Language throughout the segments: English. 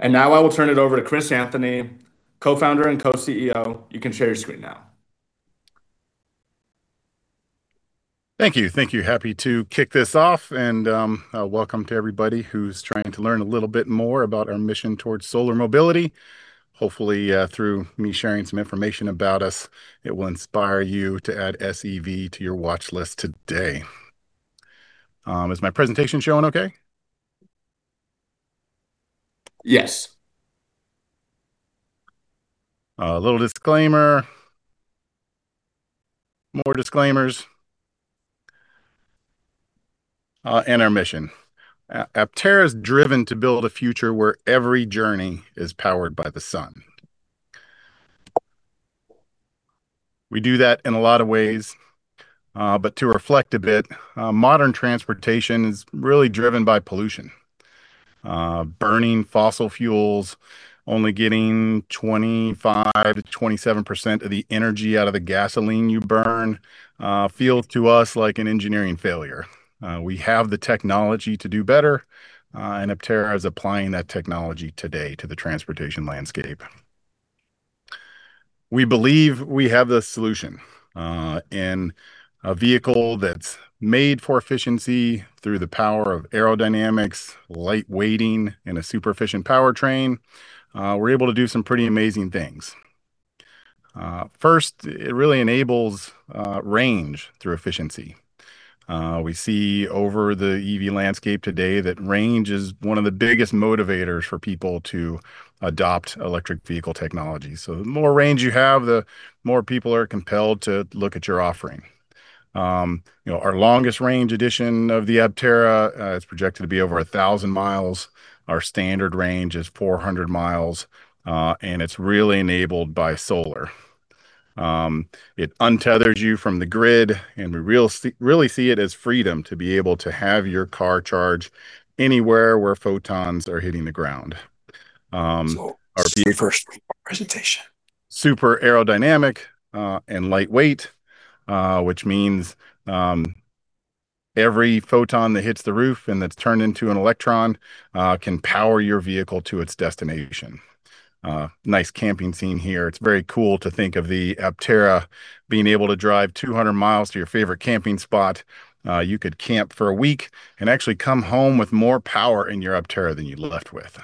Now I will turn it over to Chris Anthony, Co-Founder and Co-CEO. You can share your screen now. Thank you. Happy to kick this off, and welcome to everybody who's trying to learn a little bit more about our mission towards solar mobility. Hopefully, through me sharing some information about us, it will inspire you to add SEV to your watchlist today. Is my presentation showing okay? Yes. A little disclaimer, more disclaimers, and our mission. Aptera is driven to build a future where every journey is powered by the sun. We do that in a lot of ways, but to reflect a bit, modern transportation is really driven by pollution. Burning fossil fuels, only getting 25%-27% of the energy out of the gasoline you burn feels to us like an engineering failure. We have the technology to do better, and Aptera is applying that technology today to the transportation landscape. We believe we have the solution. In a vehicle that's made for efficiency through the power of aerodynamics, light-weighting, and a super efficient powertrain, we're able to do some pretty amazing things. First, it really enables range through efficiency. We see over the EV landscape today that range is one of the biggest motivators for people to adopt electric vehicle technology. The more range you have, the more people are compelled to look at your offering. Our longest range edition of the Aptera, it's projected to be over 1,000 miles. Our standard range is 400 miles, and it's really enabled by solar. It untethers you from the grid, and we really see it as freedom to be able to have your car charge anywhere where photons are hitting the ground. This is the first slide of our presentation. Super aerodynamic and lightweight, which means every photon that hits the roof and that's turned into an electron can power your vehicle to its destination. Nice camping scene here. It's very cool to think of the Aptera being able to drive 200 mi to your favorite camping spot. You could camp for a week and actually come home with more power in your Aptera than you left with.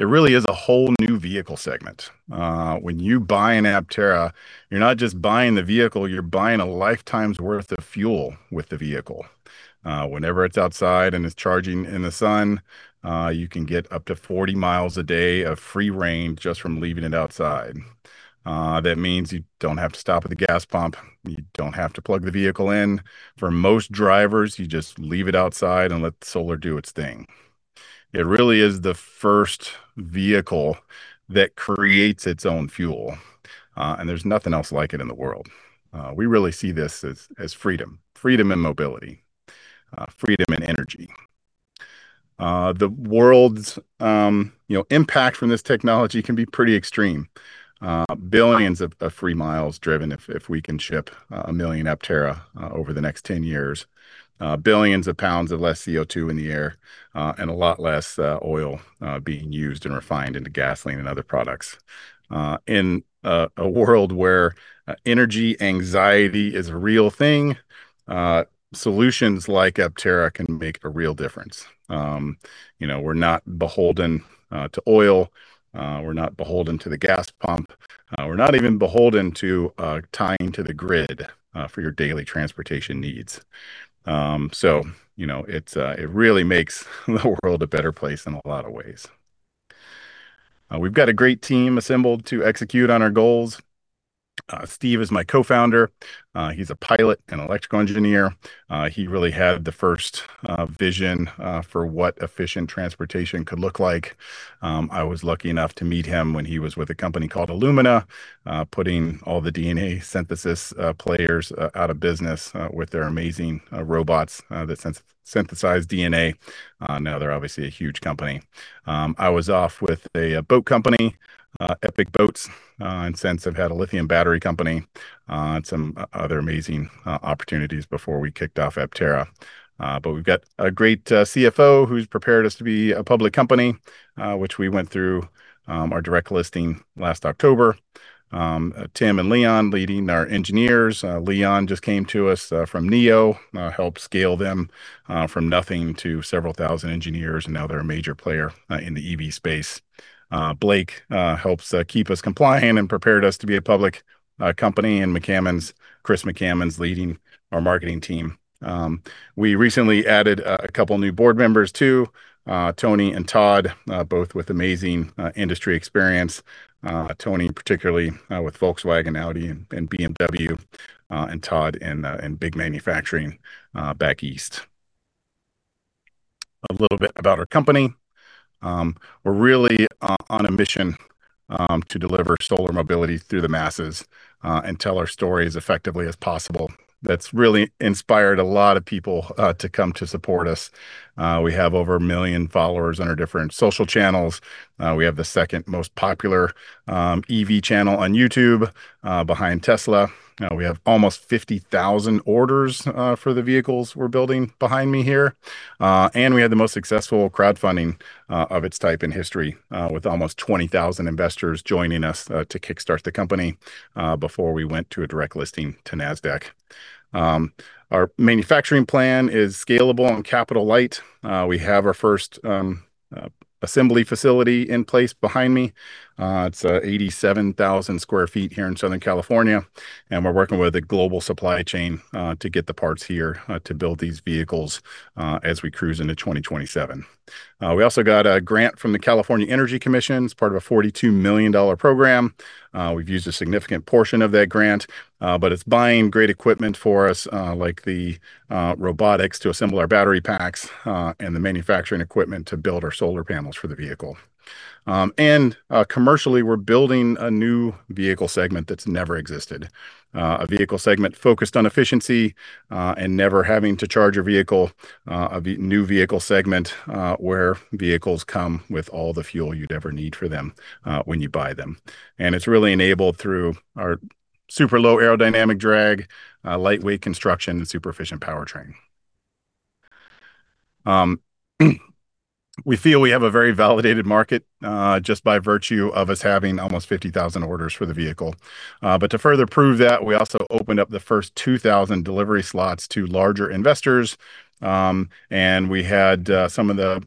It really is a whole new vehicle segment. When you buy an Aptera, you're not just buying the vehicle, you're buying a lifetime's worth of fuel with the vehicle. Whenever it's outside and it's charging in the sun, you can get up to 40 mi a day of free range just from leaving it outside. That means you don't have to stop at the gas pump. You don't have to plug the vehicle in. For most drivers, you just leave it outside and let the solar do its thing. It really is the first vehicle that creates its own fuel, and there's nothing else like it in the world. We really see this as freedom. Freedom and mobility. Freedom and energy. The world's impact from this technology can be pretty extreme. Billions of free miles driven, if we can ship 1 million Aptera over the next 10 years. Billions of pounds of less CO2 in the air, and a lot less oil being used and refined into gasoline and other products. In a world where energy anxiety is a real thing, solutions like Aptera can make a real difference. We're not beholden to oil. We're not beholden to the gas pump. We're not even beholden to tied to the grid for your daily transportation needs. It really makes the world a better place in a lot of ways. We've got a great team assembled to execute on our goals. Steve is my co-founder. He's a pilot and electrical engineer. He really had the first vision for what efficient transportation could look like. I was lucky enough to meet him when he was with a company called Illumina, putting all the DNA synthesis players out of business with their amazing robots that synthesize DNA. Now they're obviously a huge company. I was with a boat company, Epic Boats, and then I've had a lithium battery company, and some other amazing opportunities before we kicked off Aptera. We've got a great CFO who's prepared us to be a public company, which we went through our direct listing last October. Tim and Leon leading our engineers. Leon just came to us from NIO, helped scale them from nothing to several thousand engineers, and now they're a major player in the EV space. Blake helps keep us compliant and prepared us to be a public company. Chris McCammon's leading our marketing team. We recently added a couple new board members, too, Tony and Todd, both with amazing industry experience. Tony, particularly, with Volkswagen, Audi, and BMW, and Todd in big manufacturing back east. A little bit about our company. We're really on a mission to deliver solar mobility through the masses and tell our story as effectively as possible. That's really inspired a lot of people to come to support us. We have over 1 million followers on our different social channels. We have the second most popular EV channel on YouTube, behind Tesla. We have almost 50,000 orders for the vehicles we're building behind me here. We had the most successful crowdfunding of its type in history, with almost 20,000 investors joining us to kickstart the company before we went to a direct listing to Nasdaq. Our manufacturing plan is scalable and capital light. We have our first assembly facility in place behind me. It's 87,000 sq ft here in Southern California, and we're working with a global supply chain to get the parts here to build these vehicles as we cruise into 2027. We also got a grant from the California Energy Commission. It's part of a $42 million program. We've used a significant portion of that grant, but it's buying great equipment for us, like the robotics to assemble our battery packs, and the manufacturing equipment to build our solar panels for the vehicle. Commercially, we're building a new vehicle segment that's never existed. A vehicle segment focused on efficiency, and never having to charge a vehicle. A new vehicle segment, where vehicles come with all the fuel you'd ever need for them when you buy them. It's really enabled through our super low aerodynamic drag, lightweight construction, and super efficient powertrain. We feel we have a very validated market, just by virtue of us having almost 50,000 orders for the vehicle. To further prove that, we also opened up the first 2,000 delivery slots to larger investors, and we had some of the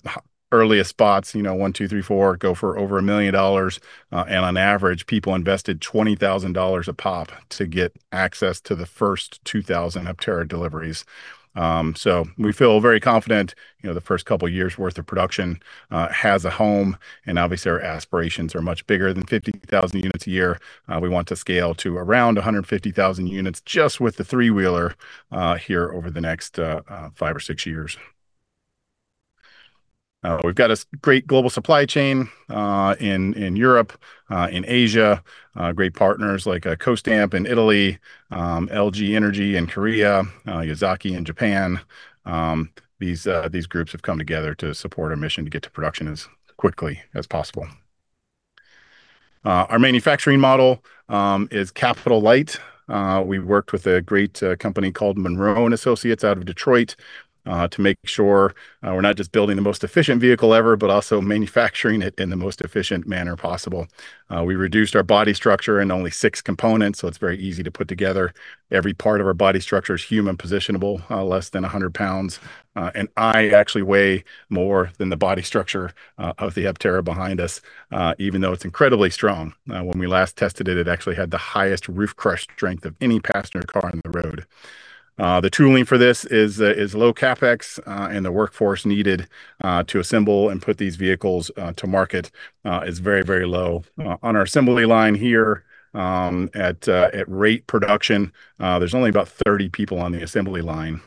earliest spots, 1, 2, 3, 4, go for over $1 million. On average, people invested $20,000 a pop to get access to the first 2,000 Aptera deliveries. We feel very confident the first couple of years' worth of production has a home, and obviously our aspirations are much bigger than 50,000 units a year. We want to scale to around 150,000 units just with the three-wheeler, here over the next 5 or 6 years. We've got a great global supply chain, in Europe, in Asia. Great partners like Costamp in Italy, LG Energy Solution in Korea, Yazaki in Japan. These groups have come together to support our mission to get to production as quickly as possible. Our manufacturing model is capital light. We've worked with a great company called Munro & Associates out of Detroit, to make sure we're not just building the most efficient vehicle ever, but also manufacturing it in the most efficient manner possible. We reduced our body structure into only 6 components, so it's very easy to put together. Every part of our body structure is human positionable, less than 100 pounds. I actually weigh more than the body structure of the Aptera behind us, even though it's incredibly strong. When we last tested it actually had the highest roof-crush strength of any passenger car on the road. The tooling for this is low CapEx, and the workforce needed to assemble and put these vehicles to market is very low. On our assembly line here, at rate production, there's only about 30 people on the assembly line.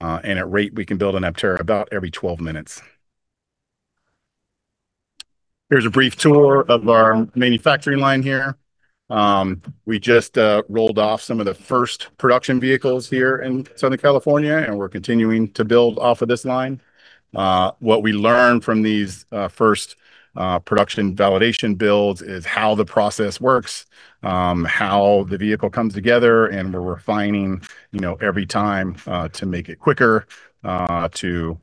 At rate, we can build an Aptera about every 12 minutes. Here's a brief tour of our manufacturing line here. We just rolled off some of the first production vehicles here in Southern California, and we're continuing to build off of this line. What we learn from these first production validation builds is how the process works, how the vehicle comes together, and we're refining every time to make it quicker, to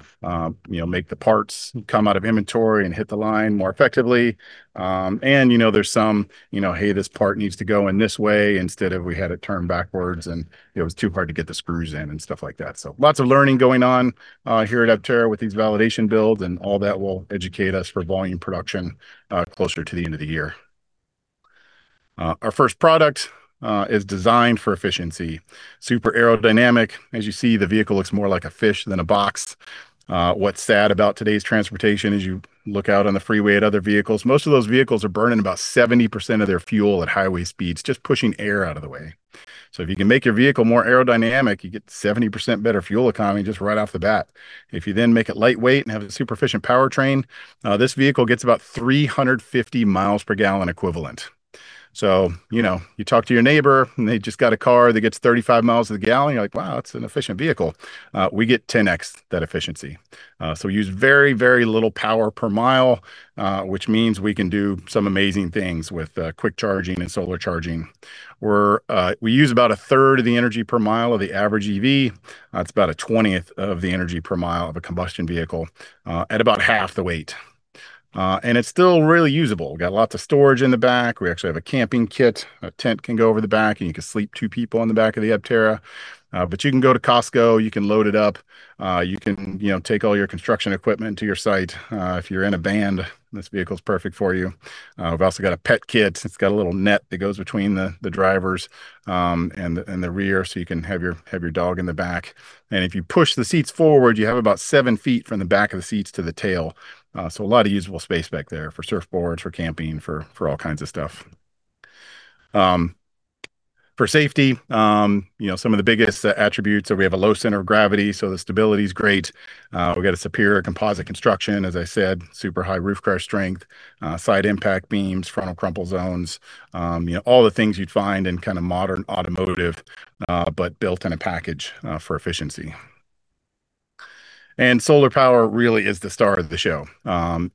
make the parts come out of inventory and hit the line more effectively. There's some, "Hey, this part needs to go in this way instead of we had it turned backwards, and it was too hard to get the screws in," and stuff like that. Lots of learning going on here at Aptera with these validation builds, and all that will educate us for volume production closer to the end of the year. Our first product is designed for efficiency. Super aerodynamic. As you see, the vehicle looks more like a fish than a box. What's sad about today's transportation is you look out on the freeway at other vehicles, most of those vehicles are burning about 70% of their fuel at highway speeds, just pushing air out of the way. If you can make your vehicle more aerodynamic, you get 70% better fuel economy just right off the bat. If you then make it lightweight and have a super efficient powertrain, this vehicle gets about 350 miles per gallon equivalent. You talk to your neighbor and they just got a car that gets 35 miles to the gallon. You're like, "Wow, that's an efficient vehicle." We get 10X that efficiency. We use very little power per mile, which means we can do some amazing things with quick charging and solar charging. We use about a third of the energy per mile of the average EV. That's about a 20th of the energy per mile of a combustion vehicle, at about half the weight. It's still really usable. We've got lots of storage in the back. We actually have a camping kit. A tent can go over the back, and you can sleep two people in the back of the Aptera. You can go to Costco, you can load it up, you can take all your construction equipment to your site. If you're in a band, this vehicle's perfect for you. We've also got a pet kit. It's got a little net that goes between the drivers, and the rear, so you can have your dog in the back. If you push the seats forward, you have about seven feet from the back of the seats to the tail. A lot of usable space back there for surfboards, for camping, for all kinds of stuff. For safety, some of the biggest attributes are we have a low center of gravity, so the stability's great. We've got a superior composite construction, as I said, super high roof crash strength, side impact beams, frontal crumple zones, all the things you'd find in modern automotive, but built in a package for efficiency. Solar power really is the star of the show.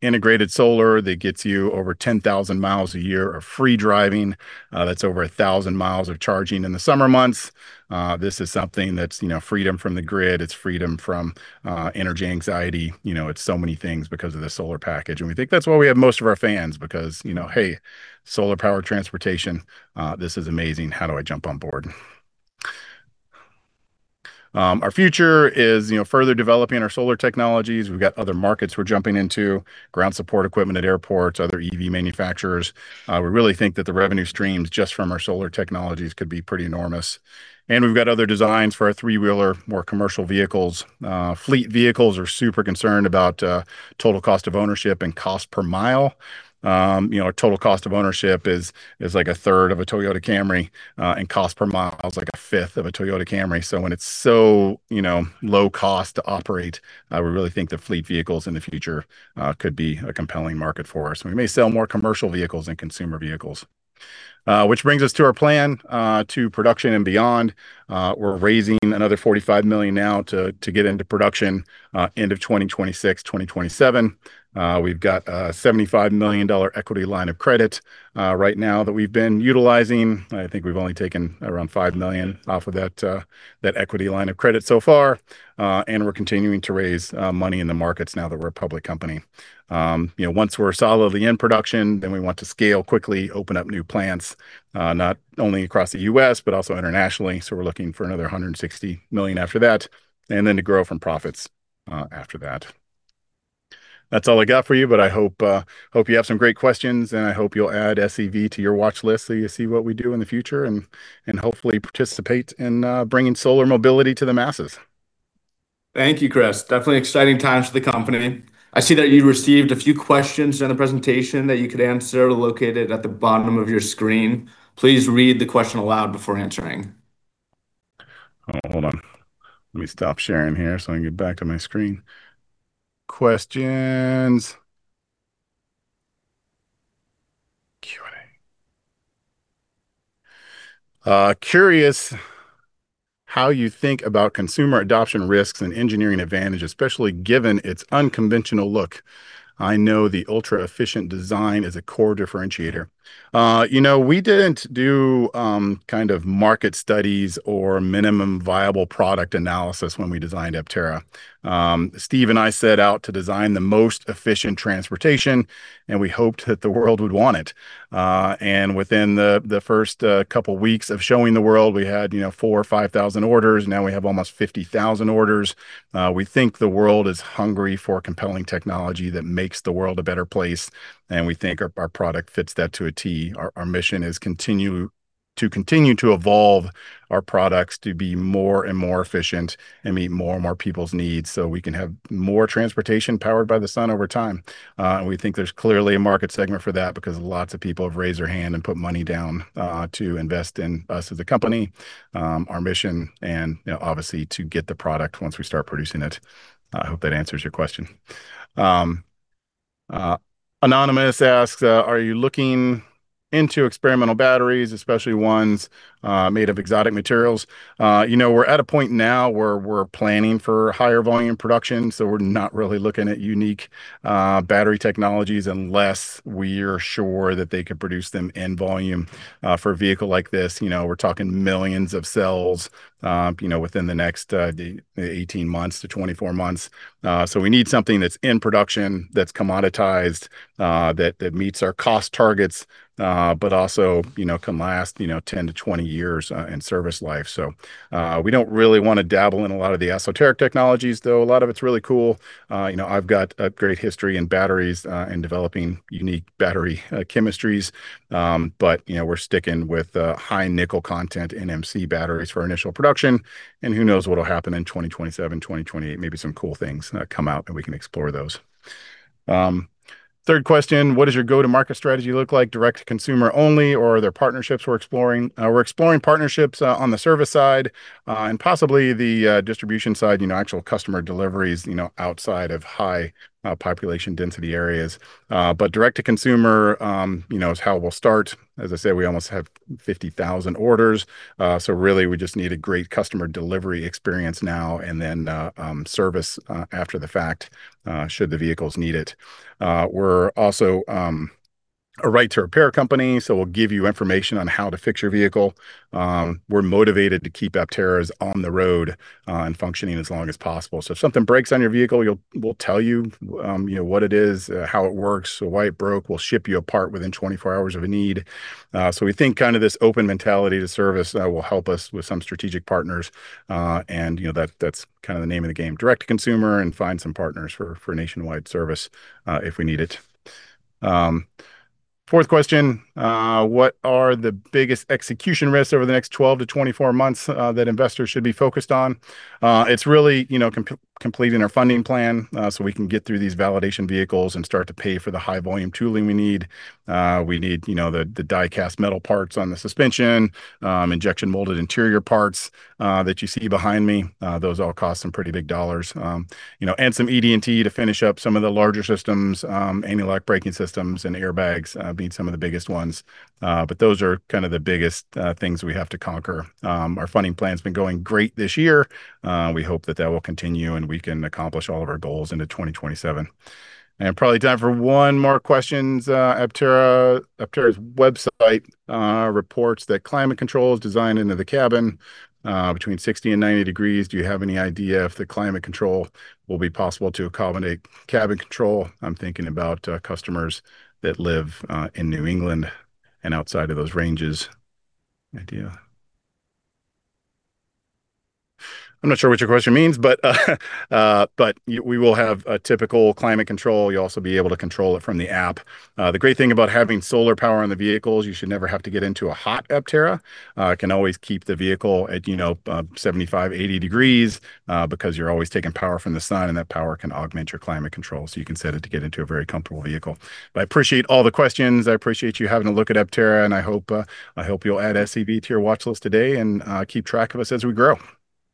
Integrated solar that gets you over 10,000 miles a year of free driving, that's over 1,000 miles of charging in the summer months. This is something that's freedom from the grid, it's freedom from energy anxiety. It's so many things because of the solar package. We think that's why we have most of our fans because, hey, solar power transportation, this is amazing, how do I jump on board? Our future is further developing our solar technologies. We've got other markets we're jumping into, ground support equipment at airports, other EV manufacturers. We really think that the revenue streams just from our solar technologies could be pretty enormous. We've got other designs for our three-wheeler, more commercial vehicles. Fleet vehicles are super concerned about total cost of ownership and cost per mile. Our total cost of ownership is like a third of a Toyota Camry, and cost per mile is like a fifth of a Toyota Camry. When it's so low cost to operate, we really think the fleet vehicles in the future could be a compelling market for us, and we may sell more commercial vehicles than consumer vehicles. Which brings us to our plan to production and beyond. We're raising another $45 million now to get into production end of 2026, 2027. We've got a $75 million equity line of credit right now that we've been utilizing. I think we've only taken around $5 million off of that equity line of credit so far. We're continuing to raise money in the markets now that we're a public company. Once we're solidly in production, then we want to scale quickly, open up new plants, not only across the U.S., but also internationally. We're looking for another $160 million after that, and then to grow from profits after that. That's all I got for you, but I hope you have some great questions, and I hope you'll add SEV to your watchlist so you see what we do in the future, and hopefully participate in bringing solar mobility to the masses. Thank you, Chris. Definitely exciting times for the company. I see that you received a few questions during the presentation that you could answer located at the bottom of your screen. Please read the question aloud before answering. Hold on. Let me stop sharing here so I can get back to my screen. Questions. Q&A. Curious how you think about consumer adoption risks and engineering advantage, especially given its unconventional look. I know the ultra-efficient design is a core differentiator. We didn't do market studies or minimum viable product analysis when we designed Aptera. Steve and I set out to design the most efficient transportation, and we hoped that the world would want it. Within the first couple of weeks of showing the world, we had 4,000 or 5,000 orders. Now we have almost 50,000 orders. We think the world is hungry for compelling technology that makes the world a better place, and we think our product fits that to a T. Our mission is to continue to evolve our products to be more and more efficient and meet more and more people's needs so we can have more transportation powered by the sun over time. We think there's clearly a market segment for that because lots of people have raised their hand and put money down to invest in us as a company, our mission, and obviously to get the product once we start producing it. I hope that answers your question. Anonymous asks, are you looking into experimental batteries, especially ones made of exotic materials? We're at a point now where we're planning for higher volume production, so we're not really looking at unique battery technologies unless we're sure that they could produce them in volume. For a vehicle like this, we're talking millions of cells within the next 18 months to 24 months. We need something that's in production, that's commoditized, that meets our cost targets, but also can last 10-20 years in service life. We don't really want to dabble in a lot of the esoteric technologies, though a lot of it's really cool. I've got a great history in batteries, in developing unique battery chemistries. We're sticking with high nickel content NMC batteries for initial production. Who knows what will happen in 2027, 2028? Maybe some cool things come out, and we can explore those. Third question, what does your go-to-market strategy look like? Direct to consumer only, or are there partnerships we're exploring? We're exploring partnerships on the service side, and possibly the distribution side, actual customer deliveries outside of high population density areas. Direct to consumer is how we'll start. As I said, we almost have 50,000 orders. Really, we just need a great customer delivery experience now and then service after the fact, should the vehicles need it. We're also a right to repair company, so we'll give you information on how to fix your vehicle. We're motivated to keep Apteras on the road and functioning as long as possible. If something breaks on your vehicle, we'll tell you what it is, how it works, why it broke. We'll ship you a part within 24 hours of a need. We think this open mentality to service will help us with some strategic partners, and that's the name of the game, direct to consumer and find some partners for nationwide service if we need it. Fourth question, what are the biggest execution risks over the next 12-24 months that investors should be focused on? It's really completing our funding plan, so we can get through these validation vehicles and start to pay for the high volume tooling we need. We need the die-cast metal parts on the suspension, injection molded interior parts that you see behind me. Those all cost some pretty big dollars. Some ED&T to finish up some of the larger systems, anti-lock braking systems and airbags being some of the biggest ones. But those are kind of the biggest things we have to conquer. Our funding plan's been going great this year. We hope that will continue, and we can accomplish all of our goals into 2027. Probably time for one more question. Aptera's website reports that climate control is designed into the cabin between 60 and 90 degrees. Do you have any idea if the climate control will be possible to accommodate cabin control? I'm thinking about customers that live in New England and outside of those ranges. I'm not sure what your question means, but we will have a typical climate control. You'll also be able to control it from the app. The great thing about having solar power on the vehicle is you should never have to get into a hot Aptera. It can always keep the vehicle at 75, 80 degrees, because you're always taking power from the sun, and that power can augment your climate control, so you can set it to get into a very comfortable vehicle. I appreciate all the questions. I appreciate you having a look at Aptera, and I hope you'll add SEV to your watchlist today and keep track of us as we grow.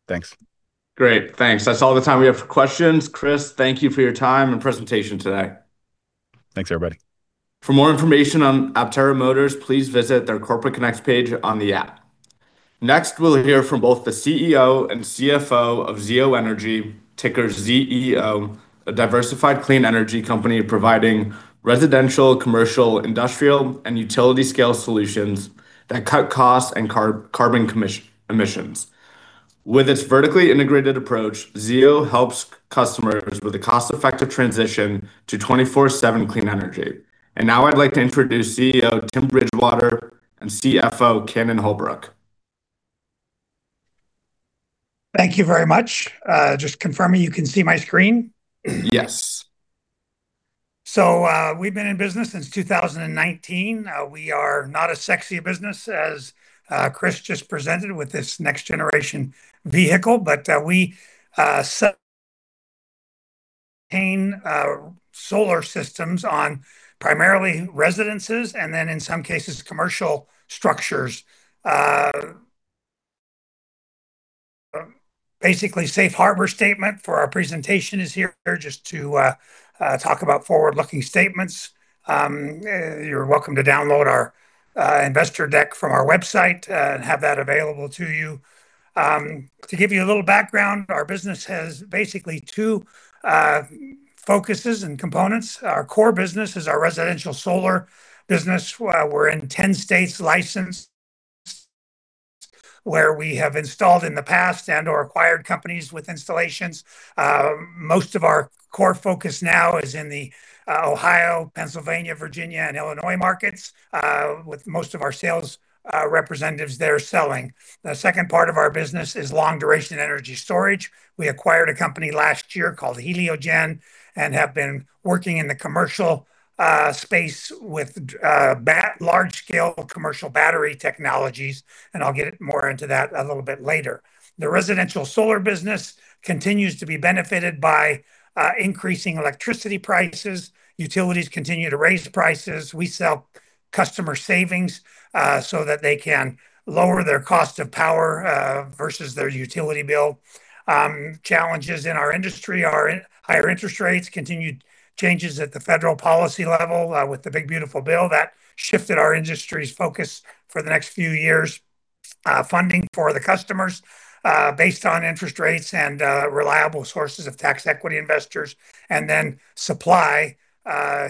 Thanks. Great. Thanks. That's all the time we have for questions. Chris, thank you for your time and presentation today. Thanks, everybody. For more information on Aptera Motors, please visit their Corporate Connect page on the app. Next, we'll hear from both the CEO and CFO of Zeo Energy, ticker ZEO, a diversified clean energy company providing residential, commercial, industrial, and utility scale solutions that cut costs and carbon emissions. With its vertically integrated approach, Zeo Energy helps customers with a cost-effective transition to 24/7 clean energy. Now I'd like to introduce CEO Tim Bridgewater and CFO Cannon meron Holbrook. Thank you very much. Just confirming you can see my screen. Yes. We've been in business since 2019. We are not a sexy business as Chris just presented with this next-generation vehicle. We sell solar systems on primarily residences and then, in some cases, commercial structures. Basically, safe harbor statement for our presentation is here just to talk about forward-looking statements. You're welcome to download our investor deck from our website and have that available to you. To give you a little background, our business has basically two focuses and components. Our core business is our residential solar business. We're in 10 states licensed where we have installed in the past and/or acquired companies with installations. Most of our core focus now is in the Ohio, Pennsylvania, Virginia, and Illinois markets, with most of our sales representatives there selling. The second part of our business is long-duration energy storage. We acquired a company last year called Heliogen and have been working in the commercial space with large-scale commercial battery technologies, and I'll get more into that a little bit later. The residential solar business continues to be benefited by increasing electricity prices. Utilities continue to raise prices. We sell customer savings, so that they can lower their cost of power versus their utility bill. Challenges in our industry are higher interest rates, continued changes at the federal policy level, with the One Big Beautiful Bill that shifted our industry's focus for the next few years, funding for the customers based on interest rates and reliable sources of tax equity investors, and then supply.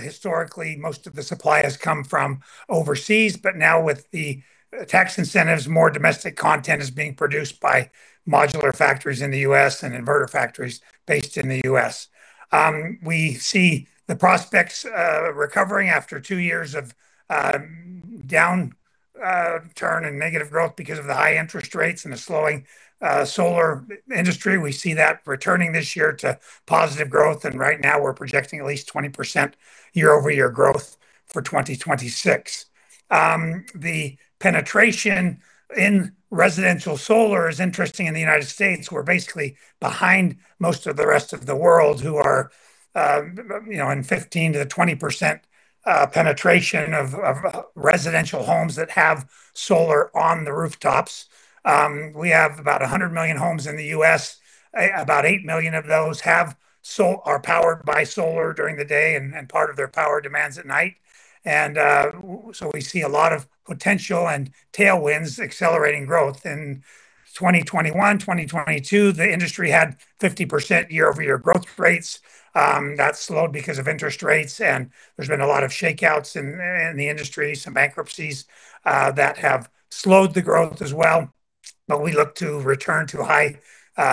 Historically, most of the supply has come from overseas. Now with the tax incentives, more domestic content is being produced by modular factories in the U.S. and inverter factories based in the U.S. We see the prospects recovering after two years of downturn and negative growth because of the high interest rates and the slowing solar industry. We see that returning this year to positive growth, and right now we're projecting at least 20% year-over-year growth for 2026. The penetration in residential solar is interesting in the United States. We're basically behind most of the rest of the world who are in 15%-20% penetration of residential homes that have solar on the rooftops. We have about 100 million homes in the U.S. About eight million of those are powered by solar during the day and part of their power demands at night. We see a lot of potential and tailwinds accelerating growth. In 2021, 2022, the industry had 50% year-over-year growth rates. That slowed because of interest rates, and there's been a lot of shakeouts in the industry, some bankruptcies that have slowed the growth as well. We look to return to high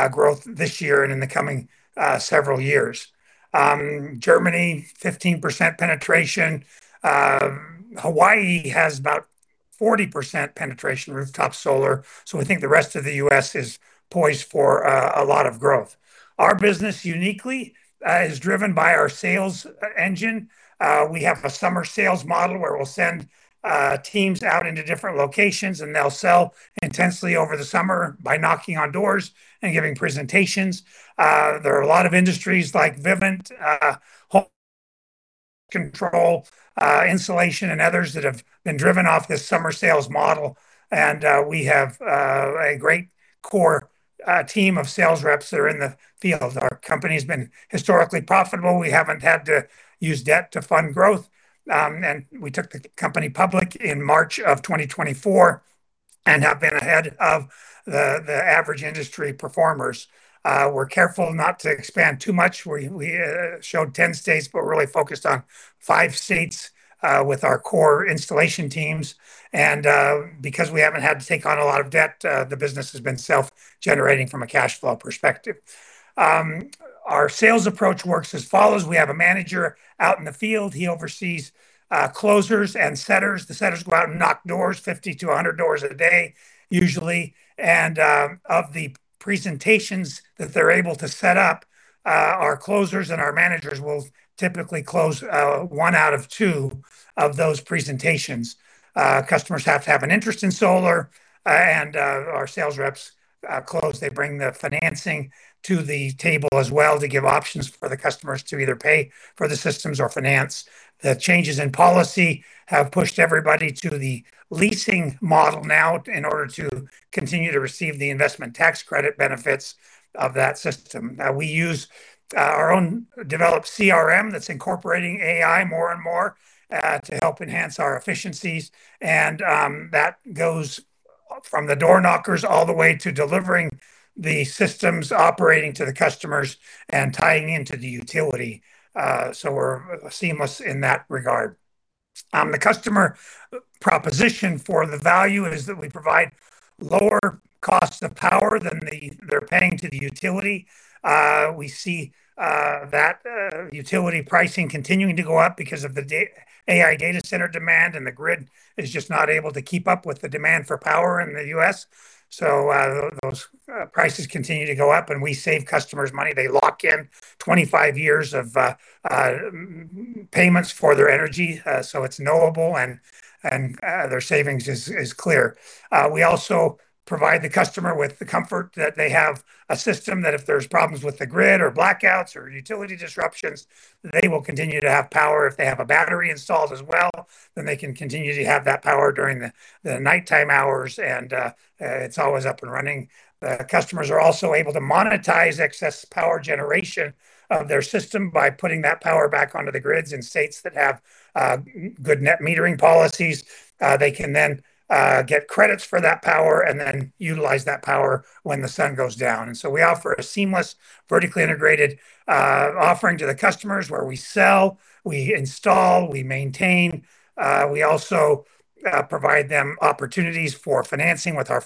growth this year and in the coming several years. Germany, 15% penetration. Hawaii has about 40% penetration rooftop solar. We think the rest of the U.S. is poised for a lot of growth. Our business uniquely is driven by our sales engine. We have a summer sales model where we'll send teams out into different locations, and they'll sell intensely over the summer by knocking on doors and giving presentations. There are a lot of industries like Vivint Smart Home, insulation, and others that have been driven off this summer sales model. We have a great core team of sales reps that are in the field. Our company's been historically profitable. We haven't had to use debt to fund growth. We took the company public in March of 2024 and have been ahead of the average industry performers. We're careful not to expand too much, where we showed 10 states, but we're really focused on five states with our core installation teams. Because we haven't had to take on a lot of debt, the business has been self-generating from a cash flow perspective. Our sales approach works as follows. We have a manager out in the field. He oversees closers and setters. The setters go out and knock doors, 50-100 doors a day usually. Of the presentations that they're able to set up, our closers and our managers will typically close one out of two of those presentations. Customers have to have an interest in solar, and our sales reps close. They bring the financing to the table as well to give options for the customers to either pay for the systems or finance. The changes in policy have pushed everybody to the leasing model now in order to continue to receive the Investment Tax Credit benefits of that system. We use our own developed CRM that's incorporating AI more and more to help enhance our efficiencies. That goes from the door knockers all the way to delivering the systems, operating to the customers, and tying into the utility. We're seamless in that regard. The customer proposition for the value is that we provide lower cost of power than they're paying to the utility. We see that utility pricing continuing to go up because of the AI data center demand, and the grid is just not able to keep up with the demand for power in the U.S. Those prices continue to go up, and we save customers money. They lock in 25 years of payments for their energy, so it's knowable and their savings is clear. We also provide the customer with the comfort that they have a system that if there's problems with the grid or blackouts or utility disruptions, they will continue to have power. If they have a battery installed as well, then they can continue to have that power during the nighttime hours, and it's always up and running. The customers are also able to monetize excess power generation of their system by putting that power back onto the grids in states that have good net metering policies. They can then get credits for that power and then utilize that power when the sun goes down. We offer a seamless, vertically integrated offering to the customers where we sell, we install, we maintain. We also provide them opportunities for financing with our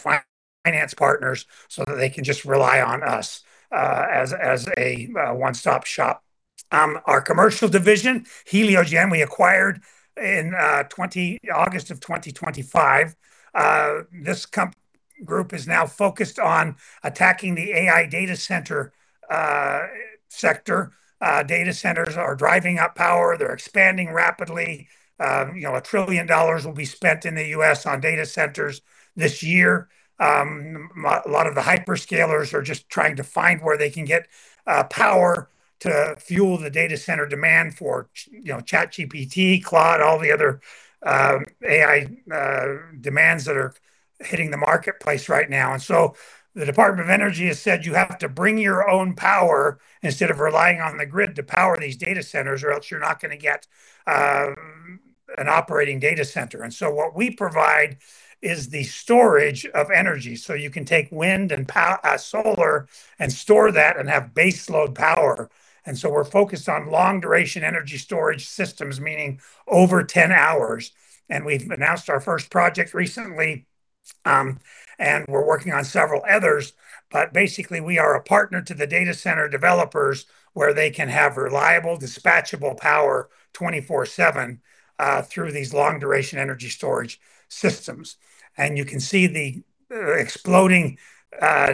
finance partners so that they can just rely on us as a one-stop shop. Our commercial division, Heliogen, we acquired in August 2025. This group is now focused on attacking the AI data center sector. Data centers are driving up power, they're expanding rapidly. $1 trillion will be spent in the U.S. on data centers this year. A lot of the hyperscalers are just trying to find where they can get power to fuel the data center demand for ChatGPT, Claude, all the other AI demands that are hitting the marketplace right now. The Department of Energy has said you have to bring your own power instead of relying on the grid to power these data centers, or else you're not going to get an operating data center. What we provide is the storage of energy. You can take wind and solar and store that and have base load power. We're focused on long-duration energy storage systems, meaning over 10 hours. We've announced our first project recently, and we're working on several others. Basically, we are a partner to the data center developers, where they can have reliable, dispatchable power 24/7 through these long-duration energy storage systems. You can see the exploding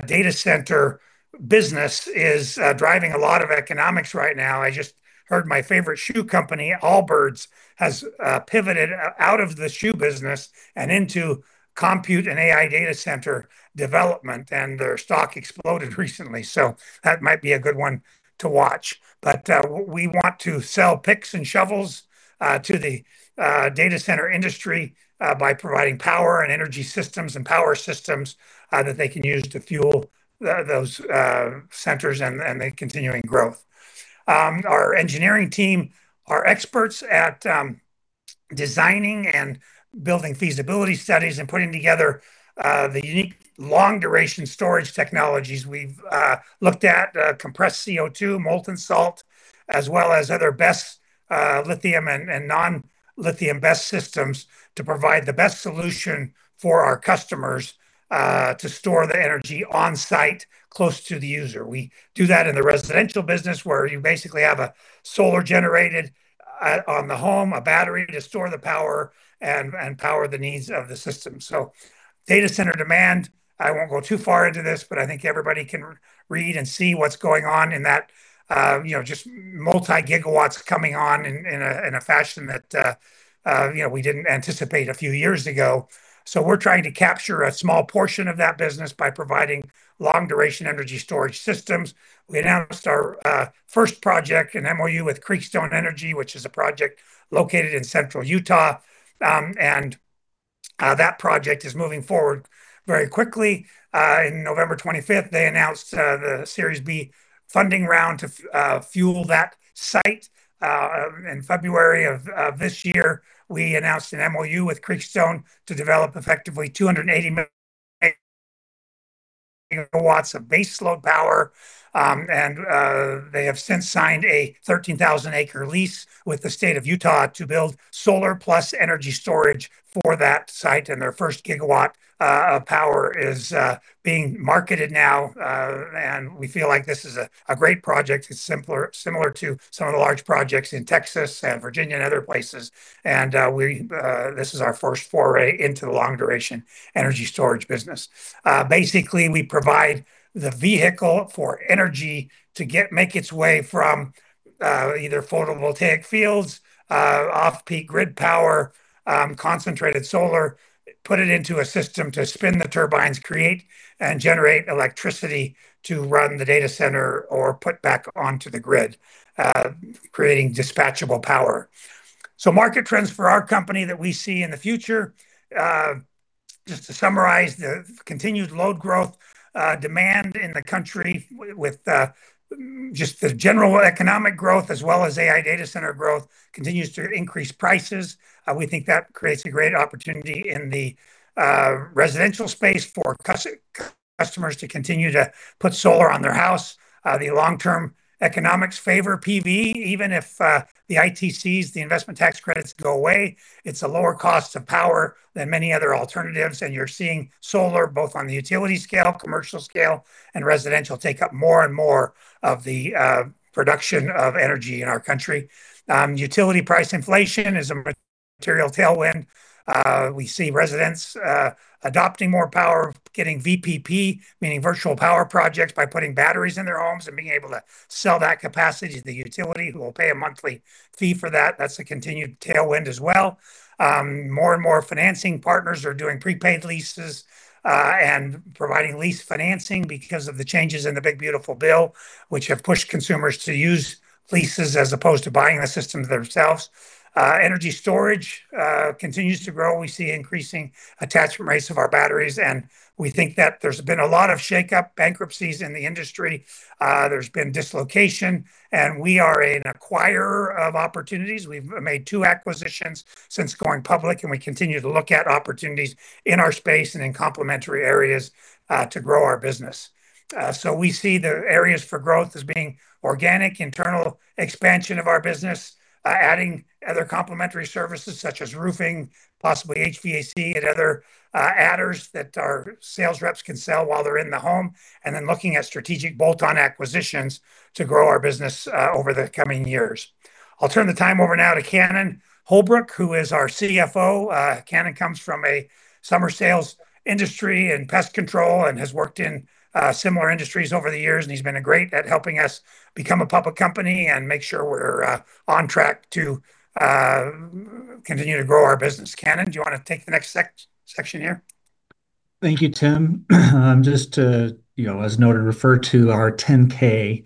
data center business is driving a lot of economics right now. I just heard my favorite shoe company, Allbirds, has pivoted out of the shoe business and into compute and AI data center development, and their stock exploded recently. That might be a good one to watch. We want to sell picks and shovels to the data center industry by providing power and energy systems and power systems that they can use to fuel those centers and the continuing growth. Our engineering team are experts at designing and building feasibility studies and putting together the unique long-duration storage technologies. We've looked at compressed CO2, molten salt, as well as other BESS, lithium and non-lithium BESS systems to provide the best solution for our customers to store the energy on-site close to the user. We do that in the residential business, where you basically have a solar generated on the home, a battery to store the power and power the needs of the system. Data center demand, I won't go too far into this, but I think everybody can read and see what's going on in that. Just multi-gigawatts coming on in a fashion that we didn't anticipate a few years ago. We're trying to capture a small portion of that business by providing long-duration energy storage systems. We announced our first project, an MOU with Creekstone Energy, which is a project located in central Utah. That project is moving forward very quickly. On November 25th, they announced the Series B funding round to fuel that site. In February of this year, we announced an MOU with Creekstone to develop effectively 280 MW of base load power. They have since signed a 13,000-acre lease with the State of Utah to build solar plus energy storage for that site. Their first gigawatt of power is being marketed now, and we feel like this is a great project. It's similar to some of the large projects in Texas and Virginia and other places. This is our first foray into the long duration energy storage business. Basically, we provide the vehicle for energy to make its way from either photovoltaic fields, off-peak grid power, concentrated solar, put it into a system to spin the turbines, create and generate electricity to run the data center or put back onto the grid, creating dispatchable power. Market trends for our company that we see in the future. Just to summarize, the continued load growth, demand in the country with just the general economic growth as well as AI data center growth continues to increase prices. We think that creates a great opportunity in the residential space for customers to continue to put solar on their house. The long-term economics favor PV. Even if the ITCs, the investment tax credits, go away, it's a lower cost of power than many other alternatives, and you're seeing solar, both on the utility scale, commercial scale, and residential, take up more and more of the production of energy in our country. Utility price inflation is a material tailwind. We see residents adopting more power, getting VPP, meaning virtual power projects, by putting batteries in their homes and being able to sell that capacity to the utility, who will pay a monthly fee for that. That's a continued tailwind as well. More and more financing partners are doing prepaid leases, and providing lease financing because of the changes in the Big Beautiful Bill, which have pushed consumers to use leases as opposed to buying the systems themselves. Energy storage continues to grow. We see increasing attachment rates of our batteries, and we think that there's been a lot of shakeup, bankruptcies in the industry. There's been dislocation, and we are an acquirer of opportunities. We've made 2 acquisitions since going public, and we continue to look at opportunities in our space and in complementary areas, to grow our busin ess. We see the areas for growth as being organic, internal expansion of our business, adding other complementary services such as roofing, possibly HVAC and other adders that our sales reps can sell while they're in the home. Looking at strategic bolt-on acquisitions to grow our business over the coming years. I'll turn the time over now to Cannon Holbrook, who is our CFO. Cannon comes from a summer sales industry and pest control and has worked in similar industries over the years, and he's been great at helping us become a public company and make sure we're on track to continue to grow our business. Cannon, do you want to take the next section here? Thank you, Tim. Just to, as noted, refer to our 10-K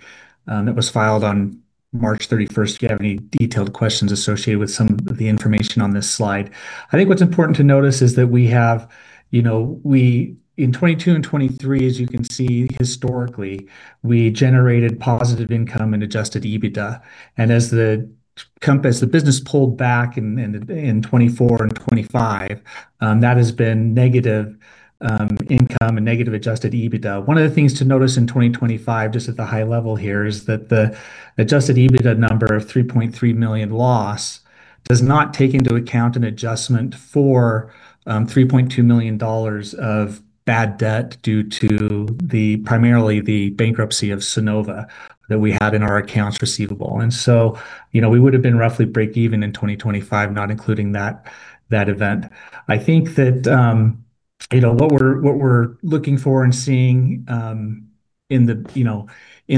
that was filed on March 31st if you have any detailed questions associated with some of the information on this slide. I think what's important to notice is that we have, in 2022 and 2023, as you can see, historically, we generated positive income and adjusted EBITDA. As the business pulled back in 2024 and 2025, that has been negative income and negative adjusted EBITDA. One of the things to notice in 2025, just at the high level here, is that the adjusted EBITDA number of $3.3 million loss does not take into account an adjustment for $3.2 million of bad debt due to primarily the bankruptcy of Sunnova that we had in our accounts receivable. We would've been roughly break even in 2025, not including that event. I think that what we're looking for and seeing in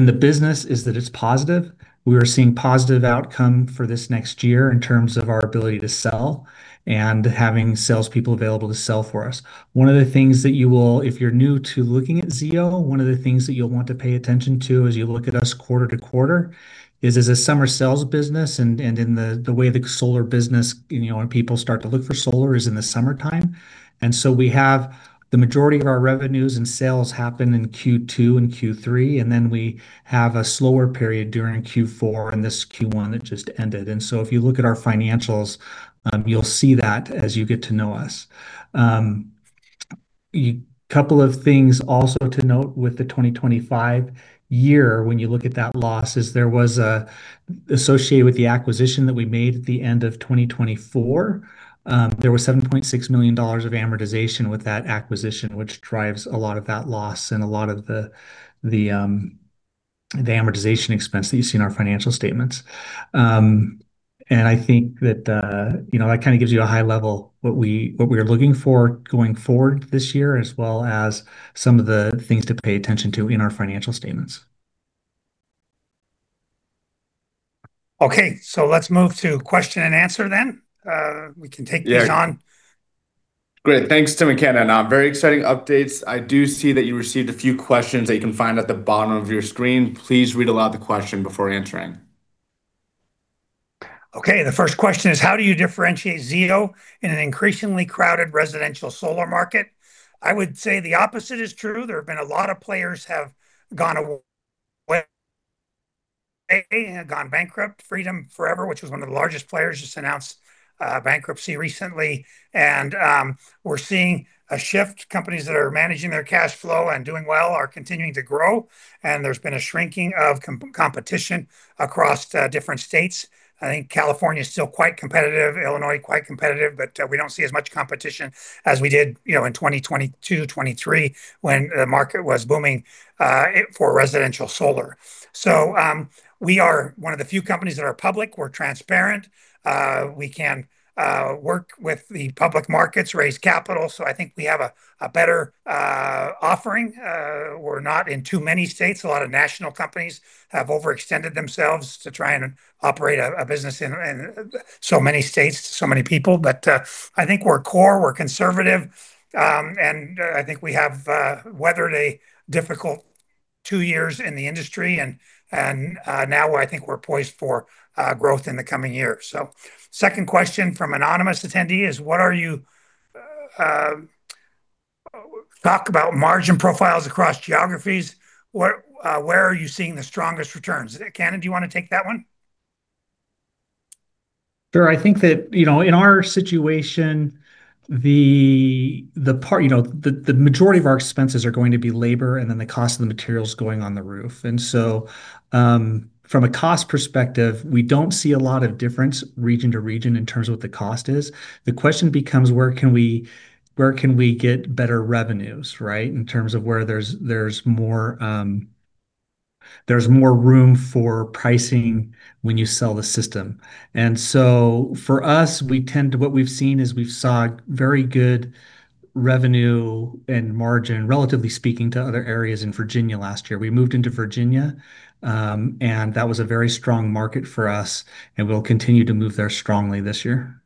the business is that it's positive. We are seeing positive outcome for this next year in terms of our ability to sell and having salespeople available to sell for us. One of the things that you will, if you're new to looking at ZEO, one of the things that you'll want to pay attention to as you look at us quarter to quarter is as a summer sales business and in the way the solar business, when people start to look for solar is in the summertime. We have the majority of our revenues and sales happen in Q2 and Q3, and then we have a slower period during Q4 and this Q1 that just ended. If you look at our financials, you'll see that as you get to know us. A couple of things also to note with the 2025 year, when you look at that loss, is there was associated with the acquisition that we made at the end of 2024, there was $7.6 million of amortization with that acquisition, which drives a lot of that loss and a lot of the amortization expense that you see in our financial statements. I think that kind of gives you a high level of what we are looking for going forward this year, as well as some of the things to pay attention to in our financial statements. Okay. Let's move to question and answer then. We can take these on. Great. Thanks, Tim and Cannon. Very exciting updates. I do see that you received a few questions that you can find at the bottom of your screen. Please read aloud the question before answering. Okay. The first question is, how do you differentiate ZEO in an increasingly crowded residential solar market? I would say the opposite is true. There have been a lot of players have gone away and have gone bankrupt. Freedom Forever, which was one of the largest players, just announced bankruptcy recently. We're seeing a shift. Companies that are managing their cash flow and doing well are continuing to grow, and there's been a shrinking of competition across different states. I think California is still quite competitive, Illinois quite competitive, but we don't see as much competition as we did in 2022, 2023 when the market was booming for residential solar. We are one of the few companies that are public. We're transparent. We can work with the public markets, raise capital. I think we have a better offering. We're not in too many states. A lot of national companies have overextended themselves to try and operate a business in so many states, so many people. I think we're core, we're conservative, and I think we have weathered a difficult two years in the industry and now I think we're poised for growth in the coming years. Second question from anonymous attendee is, what are your margin profiles across geographies. Where are you seeing the strongest returns? Cannon, do you want to take that one? Sure. I think that in our situation, the majority of our expenses are going to be labor and then the cost of the materials going on the roof. From a cost perspective, we don't see a lot of difference region to region in terms of what the cost is. The question becomes, where can we get better revenues, right? In terms of where there's more room for pricing when you sell the system. For us, what we've seen is we've saw very good revenue and margin, relatively speaking, to other areas in Virginia last year. We moved into Virginia, and that was a very strong market for us, and we'll continue to move there strongly this year.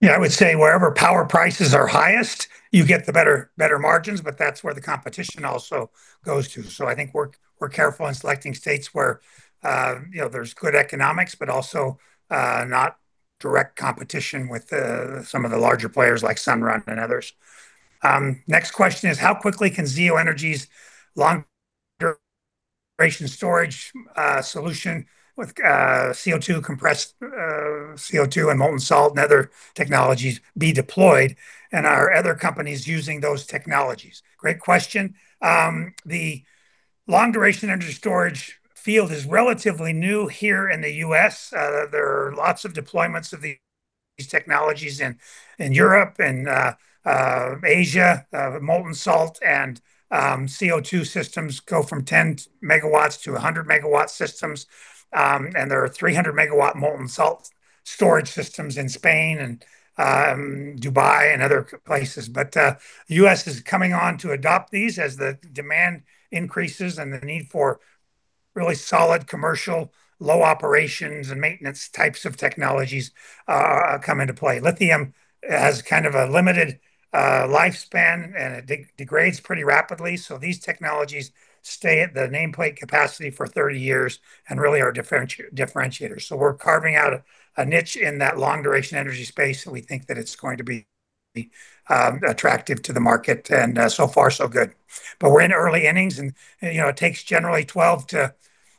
Yeah, I would say wherever power prices are highest, you get the better margins, but that's where the competition also goes to. I think we're careful in selecting states where there's good economics, but also not direct competition with some of the larger players like Sunrun and others. Next question is, how quickly can Zeo Energy's long duration storage solution with compressed CO2 and molten salt and other technologies be deployed? Are other companies using those technologies? Great question. The long-duration energy storage field is relatively new here in the U.S. There are lots of deployments of these technologies in Europe and Asia. Molten salt and CO2 systems go from 10 MW to 100-MW systems. There are 300-MW molten salt storage systems in Spain and Dubai and other places. The U.S. is coming on to adopt these as the demand increases and the need for really solid commercial, low operations and maintenance types of technologies come into play. Lithium has kind of a limited lifespan, and it degrades pretty rapidly. These technologies stay at the nameplate capacity for 30 years and really are differentiators. We're carving out a niche in that long-duration energy space, and we think that it's going to be attractive to the market, and so far so good. We're in early innings, and it takes generally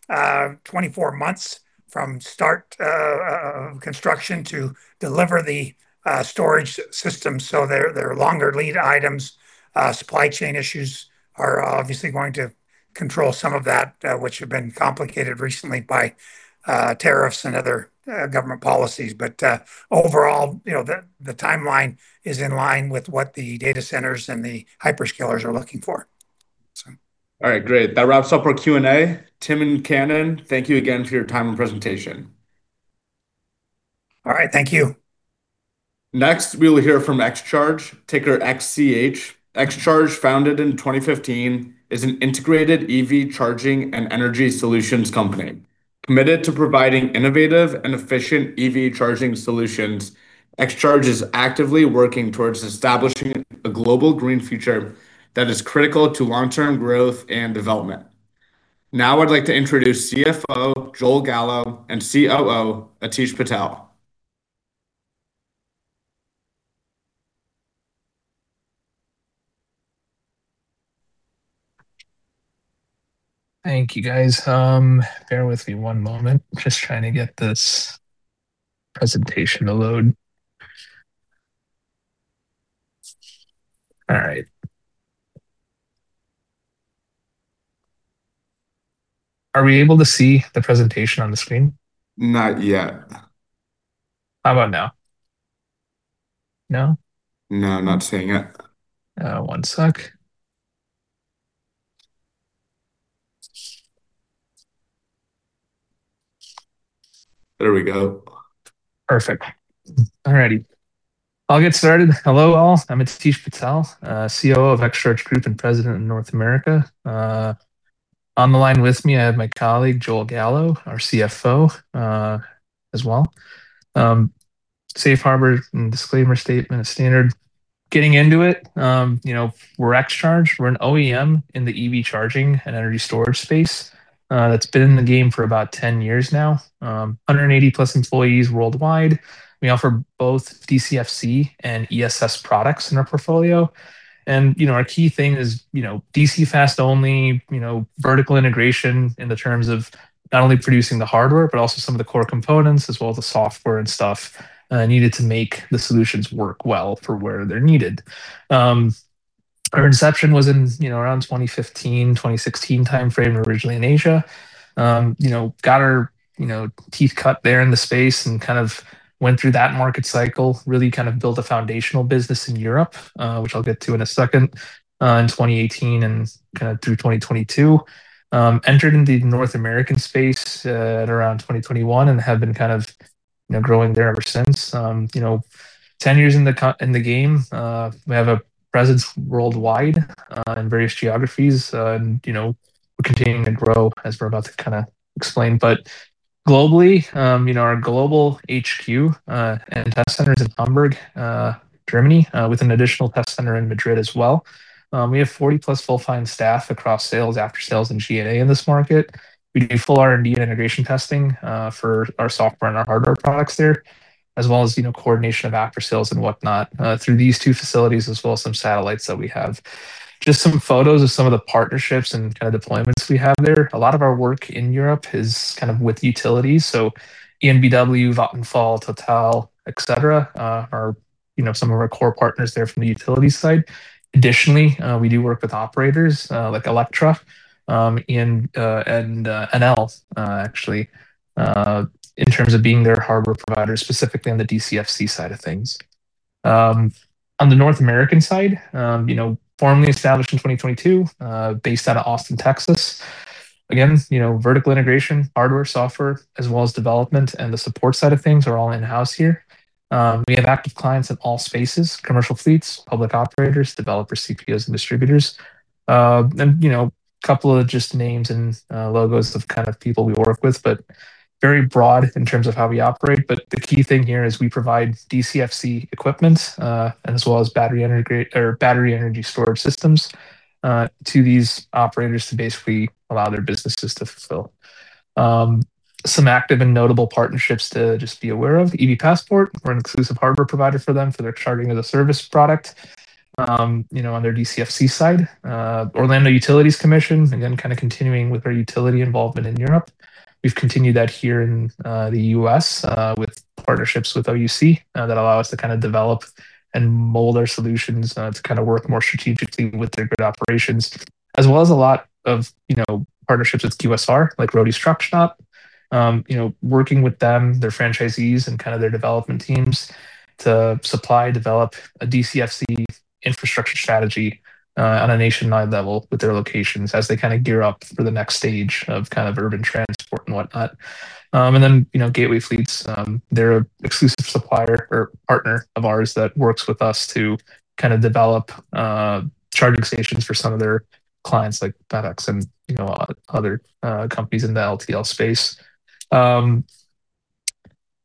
12-24 months from start of construction to deliver the storage system. They're longer lead items. Supply chain issues are obviously going to control some of that, which have been complicated recently by tariffs and other government policies. Overall, the timeline is in line with what the data centers and the hyperscalers are looking for. All right, great. That wraps up our Q&A. Tim and Cannon, thank you again for your time and presentation. All right, thank you. Next, we will hear from XCharge, ticker XCH. XCharge, founded in 2015, is an integrated EV charging and energy solutions company. Committed to providing innovative and efficient EV charging solutions, XCharge is actively working towards establishing a global green future that is critical to long-term growth and development. Now I'd like to introduce CFO Joel Gallo and COO Aatish Patel. Thank you, guys. Bear with me one moment. Just trying to get this presentation to load. All right. Are we able to see the presentation on the screen? Not yet. How about now? No? No, I'm not seeing it. One sec. There we go. Perfect. All righty. I'll get started. Hello, all. I'm Aatish Patel, COO of XCharge Group and President of North America. On the line with me, I have my colleague, Joel Gallo, our CFO, as well. Safe harbor and disclaimer statement standard. Getting into it. We're XCharge. We're an OEM in the EV charging and energy storage space. That's been in the game for about 10 years now. 180+ employees worldwide. We offer both DCFC and ESS products in our portfolio. Our key thing is, DC fast only, vertical integration in the terms of not only producing the hardware, but also some of the core components as well as the software and stuff needed to make the solutions work well for where they're needed. Our inception was around 2015, 2016 timeframe, originally in Asia. We got our teeth cut there in the space and kind of went through that market cycle, really built a foundational business in Europe, which I'll get to in a second, in 2018 and through 2022. We entered into the North American space at around 2021 and have been growing there ever since. 10 years in the game. We have a presence worldwide, in various geographies. We're continuing to grow as we're about to explain. Globally, our global HQ and test center is in Hamburg, Germany, with an additional test center in Madrid as well. We have 40+ full-time staff across sales, after-sales, and G&A in this market. We do full R&D and integration testing for our software and our hardware products there, as well as coordination of after-sales and whatnot, through these two facilities as well as some satellites that we have. Just some photos of some of the partnerships and kind of deployments we have there. A lot of our work in Europe is with utilities. EnBW, Vattenfall, Total, et cetera, are some of our core partners there from the utility side. Additionally, we do work with operators, like Electra, and Enel, actually, in terms of being their hardware provider, specifically on the DCFC side of things. On the North American side, formally established in 2022, based out of Austin, Texas. Again, vertical integration, hardware, software, as well as development and the support side of things are all in-house here. We have active clients in all spaces, commercial fleets, public operators, developers, CPOs, and distributors. Couple of just names and logos of people we work with, but very broad in terms of how we operate. The key thing here is we provide DCFC equipment, and as well as battery energy storage systems, to these operators to basically allow their businesses to fulfill. Some active and notable partnerships to just be aware of. EVPassport, we're an exclusive hardware provider for them for their charging as a service product on their DCFC side. Orlando Utilities Commission, again, continuing with our utility involvement in Europe. We've continued that here in the U.S. with partnerships with OUC, that allow us to develop and mold our solutions to work more strategically with their grid operations. As well as a lot of partnerships with QSR, like Roady's Truck Stops. Working with them, their franchisees, and their development teams to supply, develop a DCFC infrastructure strategy on a nationwide level with their locations as they gear up for the next stage of urban transport and whatnot. Gateway Fleets, they're an exclusive supplier or partner of ours that works with us to develop charging stations for some of their clients, like FedEx and other companies in the LTL sp ace.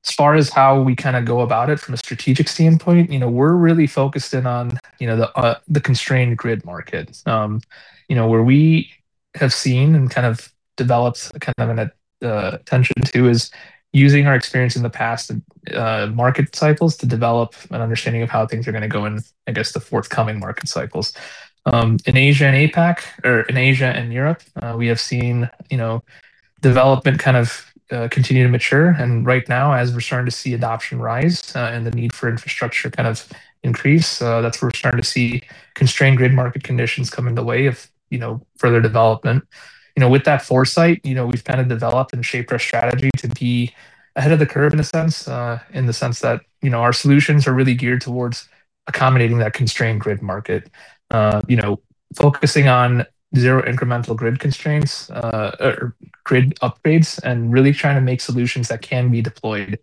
As far as how we go about it from a strategic standpoint, we're really focused in on the constrained grid market, where we have seen and developed an attention to is using our experience in the past market cycles to develop an understanding of how things are going to go in, I guess, the forthcoming market cycles. In Asia and APAC or in Asia and Europe, we have seen development continue to mature. Right now, as we're starting to see adoption rise and the need for infrastructure increase, that's where we're starting to see constrained grid market conditions come in the way of further development. With that foresight, we've developed and shaped our strategy to be ahead of the curve in a sense, in the sense that our solutions are really geared towards accommodating that constrained grid market. Focusing on zero incremental grid constraints or grid upgrades, and really trying to make solutions that can be deployed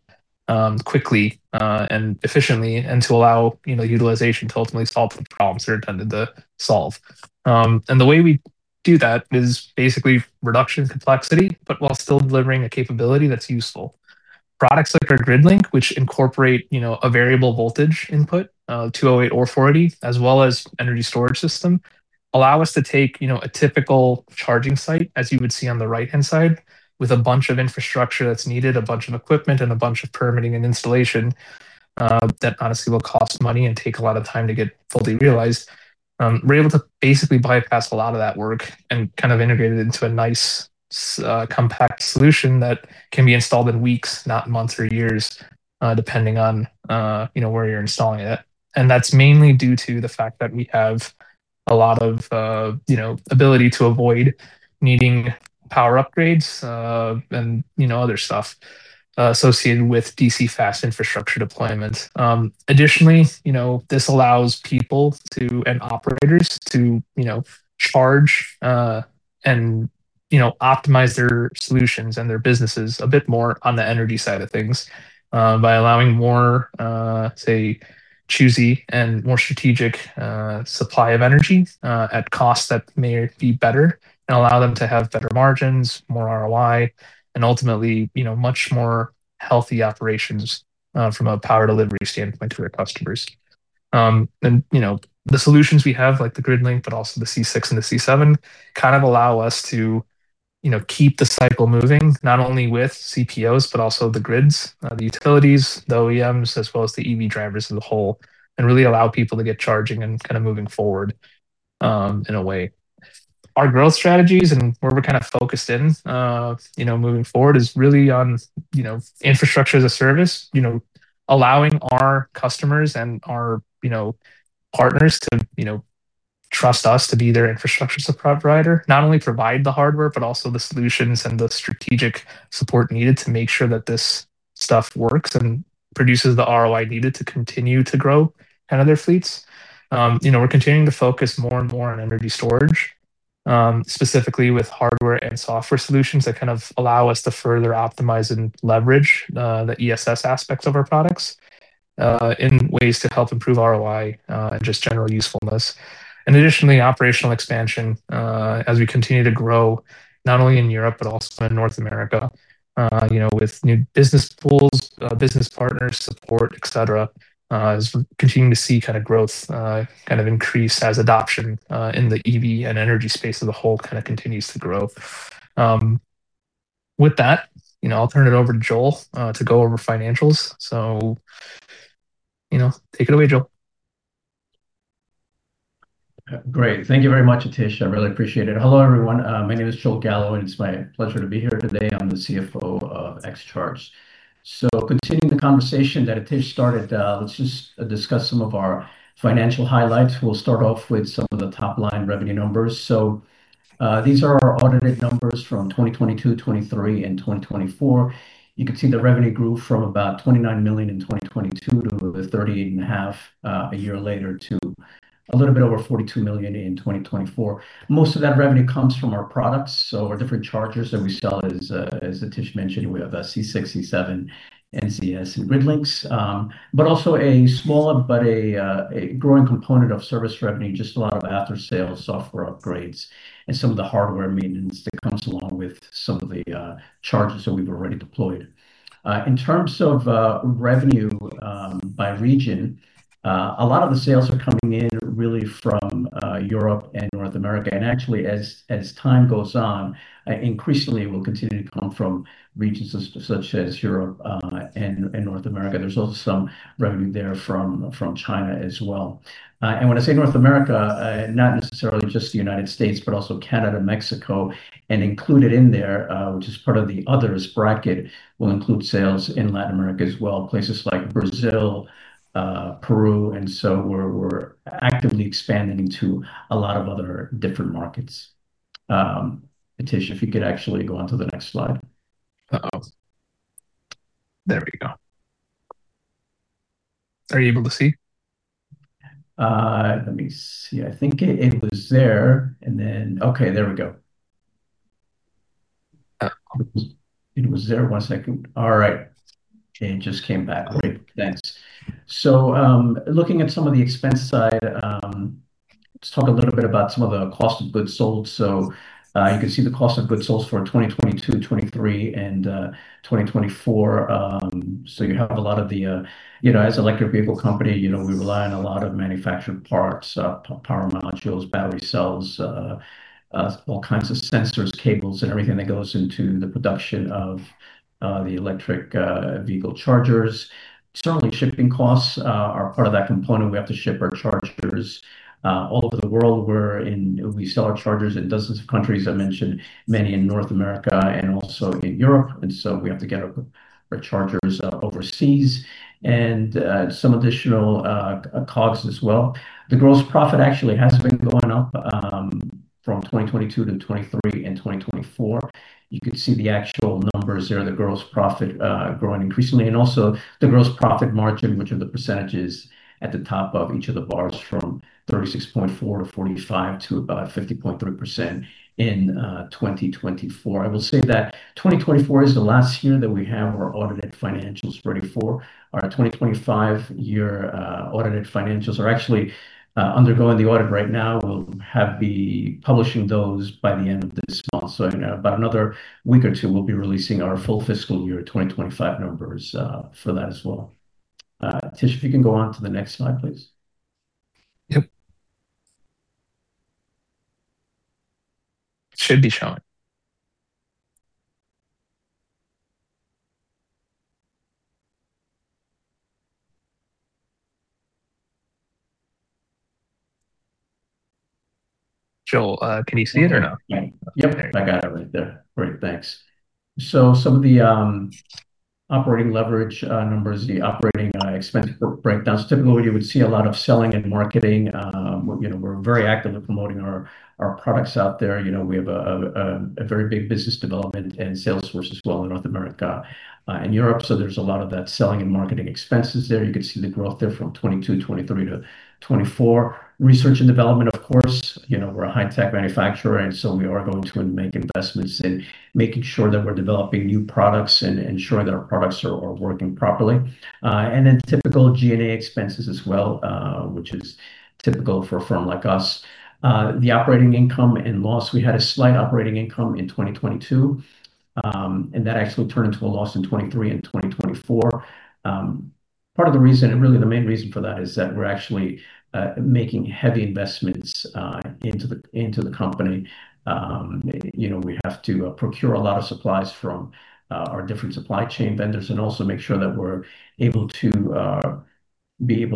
quickly, and efficiently and to allow utilization to ultimately solve the problems they're intended to solve. The way we do that is basically reduction in complexity, but while still delivering a capability that's useful. Products like our GridLink, which incorporate a variable voltage input of 208 or 40, as well as energy storage system, allow us to take a typical charging site, as you would see on the right-hand side, with a bunch of infrastructure that's needed, a bunch of equipment, and a bunch of permitting and installation, that honestly will cost money and take a lot of time to get f ully realized. We're able to basically bypass a lot of that work and integrate it into a nice, compact solution that can be installed in weeks, not months or years, depending on where you're installing it. That's mainly due to the fact that we have a lot of ability to avoid needing power upgrades, and other stuff associated with DC fast infrastructure deployment. Additionally, this allows people to, and operators to charge, and optimize their solutions and their businesses a bit more on the energy side of things, by allowing more choosy and more strategic supply of energy at costs that may be better and allow them to have better margins, more ROI, and ultimately much more healthy operations from a power delivery standpoint to their customers. The solutions we have, like the GridLink, but also the C6 and the C7, kind of allow us to keep the cycle moving, not only with CPOs, but also the grids, the utilities, the OEMs, as well as the EV drivers as a whole, and really allow people to get charging and kind of moving forward in a way. Our growth strategies and where we're kind of focused in, moving forward, is really on infrastructure as a service. Allowing our customers and our partners to trust us to be their infrastructure support provider. Not only provide the hardware, but also the solutions and the strategic support needed to make sure that this stuff works and produces the ROI needed to continue to grow other fleets. We're continuing to focus more and more on energy storage, specifically with hardware and software solutions that kind of allow us to further optimize and leverage the ESS aspects of our products, in ways to help improve ROI, and just general usefulne ss. Additionally, operational expansion, as we continue to grow, not only in Europe but also in North America. With new business pools, business partners, support, et cetera, as we're continuing to see growth, kind of increase as adoption, in the EV and energy space as a whole continues to grow. With that, I'll turn it over to Joel, to go over financials. Take it away, Joel. Great. Thank you very much, Aatish. I really appreciate it. Hello, everyone. My name is Joel Gallo, and it's my pleasure to be here today. I'm the CFO of XCharge. Continuing the conversation that Aatish started, let's just discuss some of our financial highlights. We'll start off with some of the top-line revenue numbers. These are our audited numbers from 2022, 2023, and 2024. You can see the revenue grew from about $29 million in 2022 to $38.5 million a year later, to a little bit over $42 million in 2024. Most of that revenue comes from our products, so our different chargers that we sell. As Aatish mentioned, we have C6, C7, NCS, and GridLink. Also a small but growing component of service revenue, just a lot of after-sale software upgrades and some of the hardware maintenance that comes along with some of the chargers that we've already deployed. In terms of revenue by region, a lot of the sales are coming in really from Europe and North America. Actually, as time goes on, increasingly will continue to come from regions such as Europe, and North America. There's also some revenue there from China as well. When I say North America, not necessarily just the United States, but also Canada, Mexico, and included in there, which is part of the others bracket, will include sales in Latin America as well, places like Brazil, Peru. So we're actively expanding to a lot of other different markets. Aatish, if you could actually go on to the next slide. There we go. Are you able to see? Let me see. I think it was there, and then. Okay, there we go. Oh. It was there one second. All right. It just came back. Great. Thanks. Looking at some of the expense side, let's talk a little bit about some of the cost of goods sold. You can see the cost of goods sold for 2022, 2023, and 2024. You have a lot of the, as an electric vehicle company, we rely on a lot of manufactured parts, power modules, battery cells, all kinds of sensors, cables, and everything that goes into the production of the electric vehicle chargers. Certainly, shipping costs are part of that component. We have to ship our chargers all over the world. We sell our chargers in dozens of countries. I mentioned many in North America and also in Europe, we have to get our chargers overseas and some additional COGS as well. The gross profit actually has been going up from 2022 to 2023 and 2024. You can see the actual numbers there, the gross profit growing increasingly, and also the gross profit margin, which are the percentages at the top of each of the bars from 36.4% to 45% to about 50.3% in 2024. I will say that 2024 is the last year that we have our audited financials for 2024. Our 2025 year audited financials are actually undergoing the audit right now. We'll have those published by the end of this month. In about another week or two, we'll be releasing our full fiscal year 2025 numbers for that as well. Aatish, if you can go on to the next slide, please. Yep. It should be showing. Joel, can you see it or not? Yep. I got it right there. Great. Thanks. Some of the operating leverage numbers, the operating expense breakdowns. Typically, you would see a lot of selling and marketing. We're very active in promoting our products out there. We have a very big business development and sales force as well in North America and Europe. There's a lot of that selling and marketing expenses there. You can see the growth there from 2022, 2023 to 2024. Research and development, of course. We're a high-tech manufacturer, and so we are going to make investments in making sure that we're developing new products and ensuring that our products are working properly. Then typical G&A expenses as well, which is typical for a firm like us. The operating income and loss, we had a slight operating income in 2022. That actually turned into a loss in 2023 and 2024. Part of the reason, and really the main reason for that is that we're actually making heavy investments into the company. We have to procure a lot of supplies from our different supply chain vendors and also make sure that we're able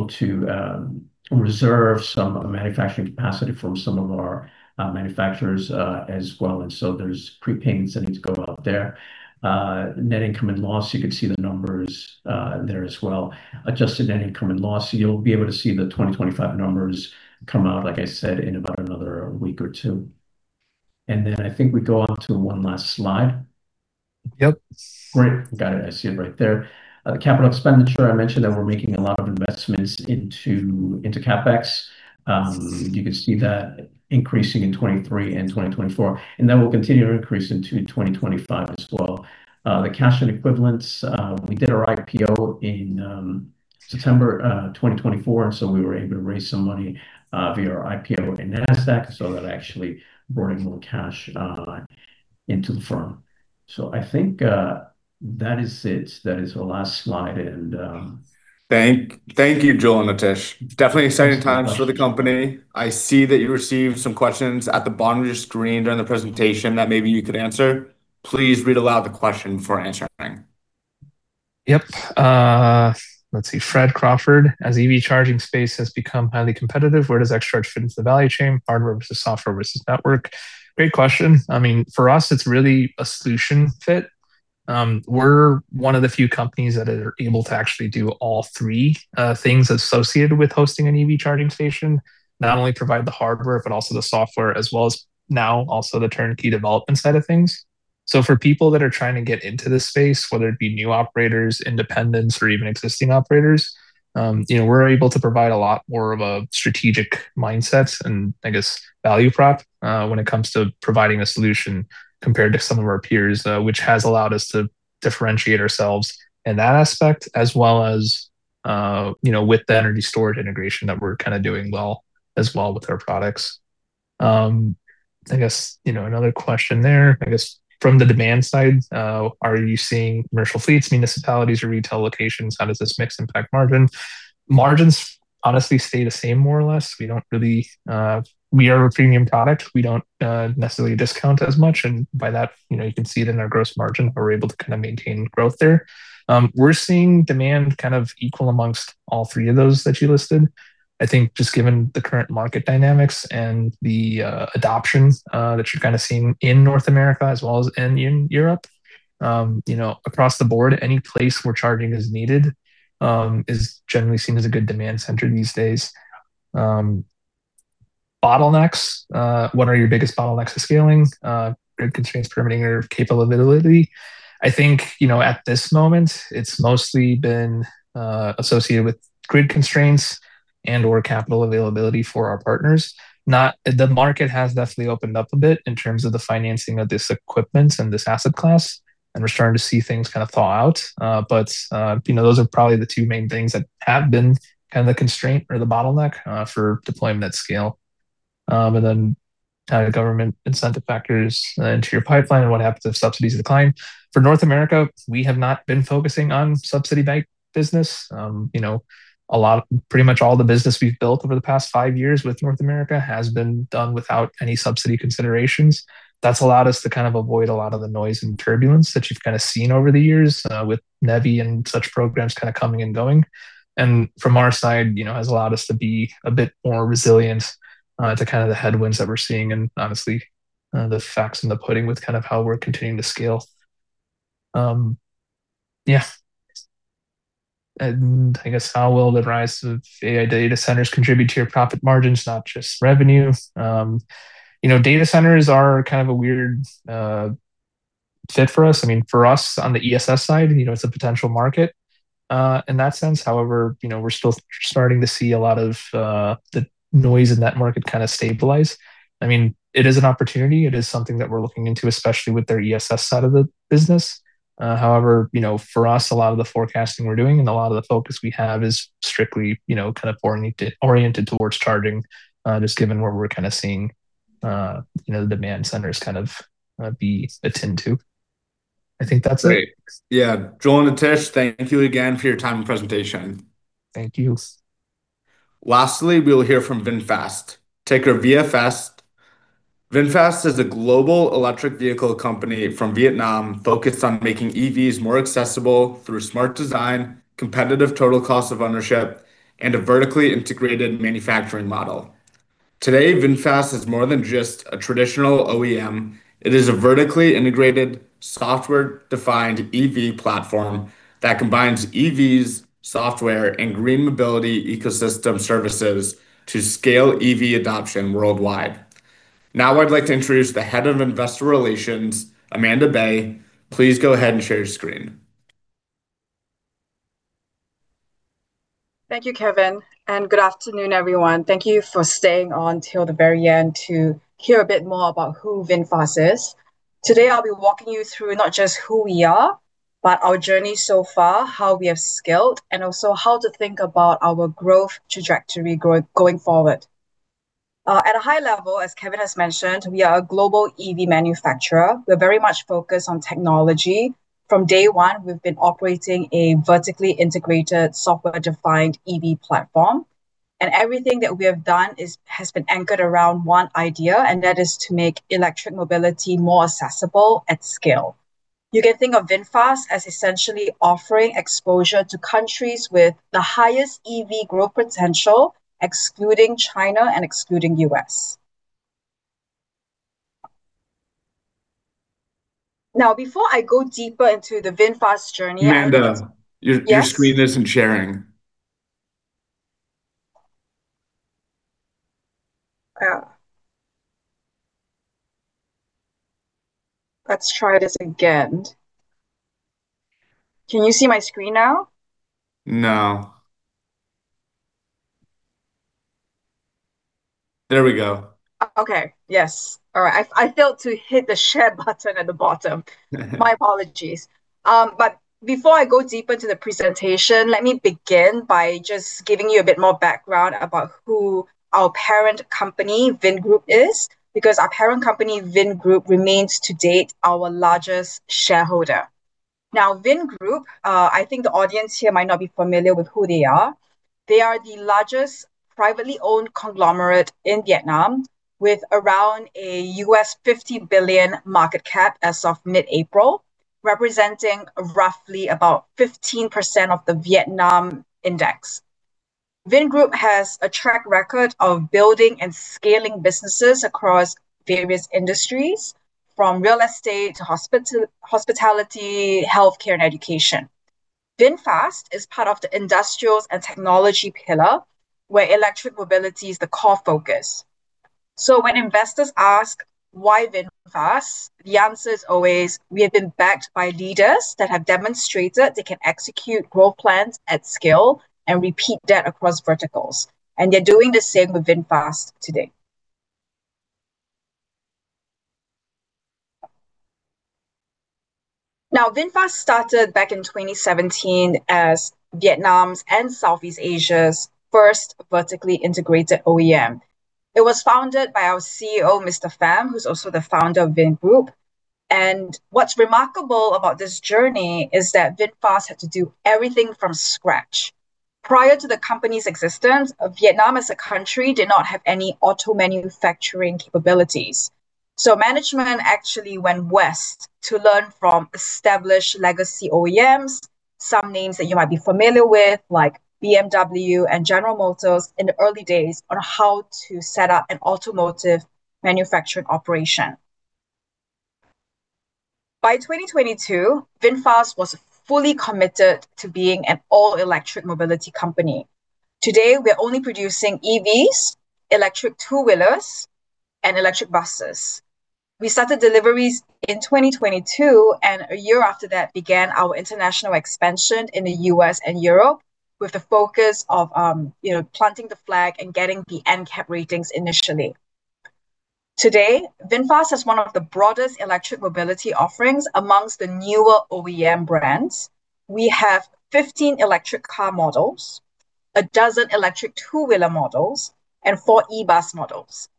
to reserve some manufacturing capacity from some of our manufacturers as well. There's prepayments that need to go out there. Net income and loss, you could see the numbers there as well. Adjusted net income and loss, you'll be able to see the 2025 numbers come out, like I said, in about another week or two. I think we go on to one last slide. Yep. Great. Got it. I see it right there. The capital expenditure, I mentioned that we're making a lot of investments into CapEx. You can see that increasing in 2023 and 2024, and that will continue to increase into 2025 as well. The cash and equivalents, we did our IPO in September 2024, and so we were able to raise some money via our IPO in Nasdaq. That actually brought in more cash into the firm. I think that is it. That is the last slide. Thank you, Joel Gallo and Aatish Patel. Definitely exciting times for the company. I see that you received some questions at the bottom of your screen during the presentation that maybe you could answer. Please read aloud the question before answering. Yep. Let's see, Fred Crawford. As the EV charging space has become highly competitive, where does XCharge fit into the value chain, hardware versus software versus network? Great question. I mean, for us, it's really a solution fit. We're one of the few companies that are able to actually do all three things associated with hosting an EV charging station. Not only provide the hardware, but also the software, as well as now also the turnkey development side of things. For people that are trying to get into this space, whether it be new operators, independents, or even existing operators, we're able to provide a lot more of a strategic mindset and I guess value prop, when it comes to providing a solution compared to some of our peers, which has allowed us to differentiate ourselves in that aspect as well as with the energy storage integration that we're doing well as well with our products. I guess, another question there. I guess from the demand side, are you seeing commercial fleets, municipalities, or retail locations, how does this mix impact margin? Margins honestly stay the same more or less. We are a premium product. We don't necessarily discount as much, and by that, you can see it in our gross margin. We're able to maintain growth there. We're seeing demand equal amongst all three of those that you listed. I think just given the current market dynamics and the adoption that you're seeing in North America as well as in Europe, across the board, any place where charging is needed, is generally seen as a good demand center these days. Bottlenecks, what are your biggest bottlenecks to scaling? Grid constraints, permitting or capability. I think at this moment, it's mostly been associated with grid constraints and/or capital availability for our partners. The market has definitely opened up a bit in terms of the financing of this equipment and this asset class, and we're starting to see things thaw out. Those are probably the two main things that have been the constraint or the bottleneck for deployment at scale. How do government incentive factors enter your pipeline, and what happens if subsidies decline? For North America, we have not been focusing on subsidy-based business. Pretty much all the business we've built over the past 5 years with North America has been done without any subsidy considerations. That's allowed us to avoid a lot of the noise and turbulence that you've seen over the years, with NEVI and such programs coming and going. From our side, has allowed us to be a bit more resilient to the headwinds that we're seeing, and honestly, the proof is in the pudding with how we're continuing to scale. Yeah. I guess. How will the rise of AI data centers contribute to your profit margins, not just revenue? Data centers are a weird fit for us. I mean, for us on the ESS side, it's a potential market in that sense. However, we're still starting to see a lot of the noise in that market stabilize. It is an opportunity. It is something that we're looking into, especially with their ESS side of the business. However, for us, a lot of the forecasting we're doing and a lot of the focus we have is strictly oriented towards charging, just given where we're seeing the demand centers be attended to. I think that's it. Great. Yeah. Joel and Aatish, thank you again for your time and presentation. Thank you. Lastly, we'll hear from VinFast, ticker VFS. VinFast is a global electric vehicle company from Vietnam focused on making EVs more accessible through smart design, competitive total cost of ownership, and a vertically integrated manufacturing model. Today, VinFast is more than just a traditional OEM. It is a vertically integrated, software-defined EV platform that combines EVs, software, and green mobility ecosystem services to scale EV adoption worldwide. Now I'd like to introduce the head of investor relations, Amanda Baey. Please go ahead and share your screen. Thank you, Kevin, and good afternoon, everyone. Thank you for staying on till the very end to hear a bit more about who VinFast is. Today, I'll be walking you through not just who we are, but our journey so far, how we have scaled, and also how to think about our growth trajectory going forward. At a high level, as Kevin has mentioned, we are a global EV manufacturer. We're very much focused on technology. From day one, we've been operating a vertically integrated software-defined EV platform. Everything that we have done has been anchored around one idea, and that is to make electric mobility more accessible at scale. You can think of VinFast as essentially offering exposure to countries with the highest EV growth potential, excluding China and excluding U.S. Now, before I go deeper into the VinFast journey. Amanda. Yes. Your screen isn't sharing. Oh. Let's try this again. Can you see my screen now? No. There we go. Okay. Yes. All right. I failed to hit the share button at the bottom. My apologies. Before I go deeper into the presentation, let me begin by just giving you a bit more background about who our parent company, Vingroup, is. Because our parent company, Vingroup, remains to date our largest shareholder. Now, Vingroup, I think the audience here might not be familiar with who they are. They are the largest privately owned conglomerate in Vietnam with around a $50 billion market cap as of mid-April, representing roughly about 15% of the Vietnam index. Vingroup has a track record of building and scaling businesses across various industries, from real estate to hospitality, healthcare, and education. VinFast is part of the industrials and technology pillar, where electric mobility is the core focus. When investors ask why VinFast, the answer is always, "We have been backed by leaders that have demonstrated they can execute growth plans at scale and repeat that across verticals." They're doing the same with VinFast today. Now, VinFast started back in 2017 as Vietnam's and Southeast Asia's first vertically integrated OEM. It was founded by our CEO, Mr. Pham, who's also the founder of Vingroup. What's remarkable about this journey is that VinFast had to do everything from scratch. Prior to the company's existence, Vietnam as a country did not have any auto manufacturing capabilities. Management actually went west to learn from established legacy OEMs, some names that you might be familiar with, like BMW and General Motors in the early days, on how to set up an automotive manufacturing operation. By 2022, VinFast was fully committed to being an all-electric mobility company. Today, we're only producing EVs, electric two-wheelers, and electric buses. We started deliveries in 2022, and a year after that began our international expansion in the U.S. and Europe with the focus of planting the flag and getting the NCAP ratings initially. Today, VinFast has one of the broadest electric mobility offerings among the newer OEM brands. We have 15 electric car models, 12 electric two-wheeler models, and 4 e-bus models.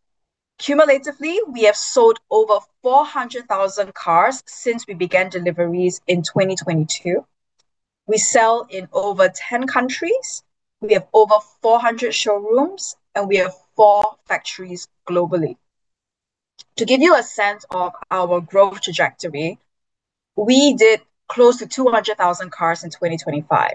Cumulatively, we have sold over 400,000 cars since we began deliveries in 2022. We sell in over 10 cou ntries. We have over 400 showrooms, and we have 4 factories globally. To give you a sense of our growth trajectory, we did close to 200,000 cars in 2025,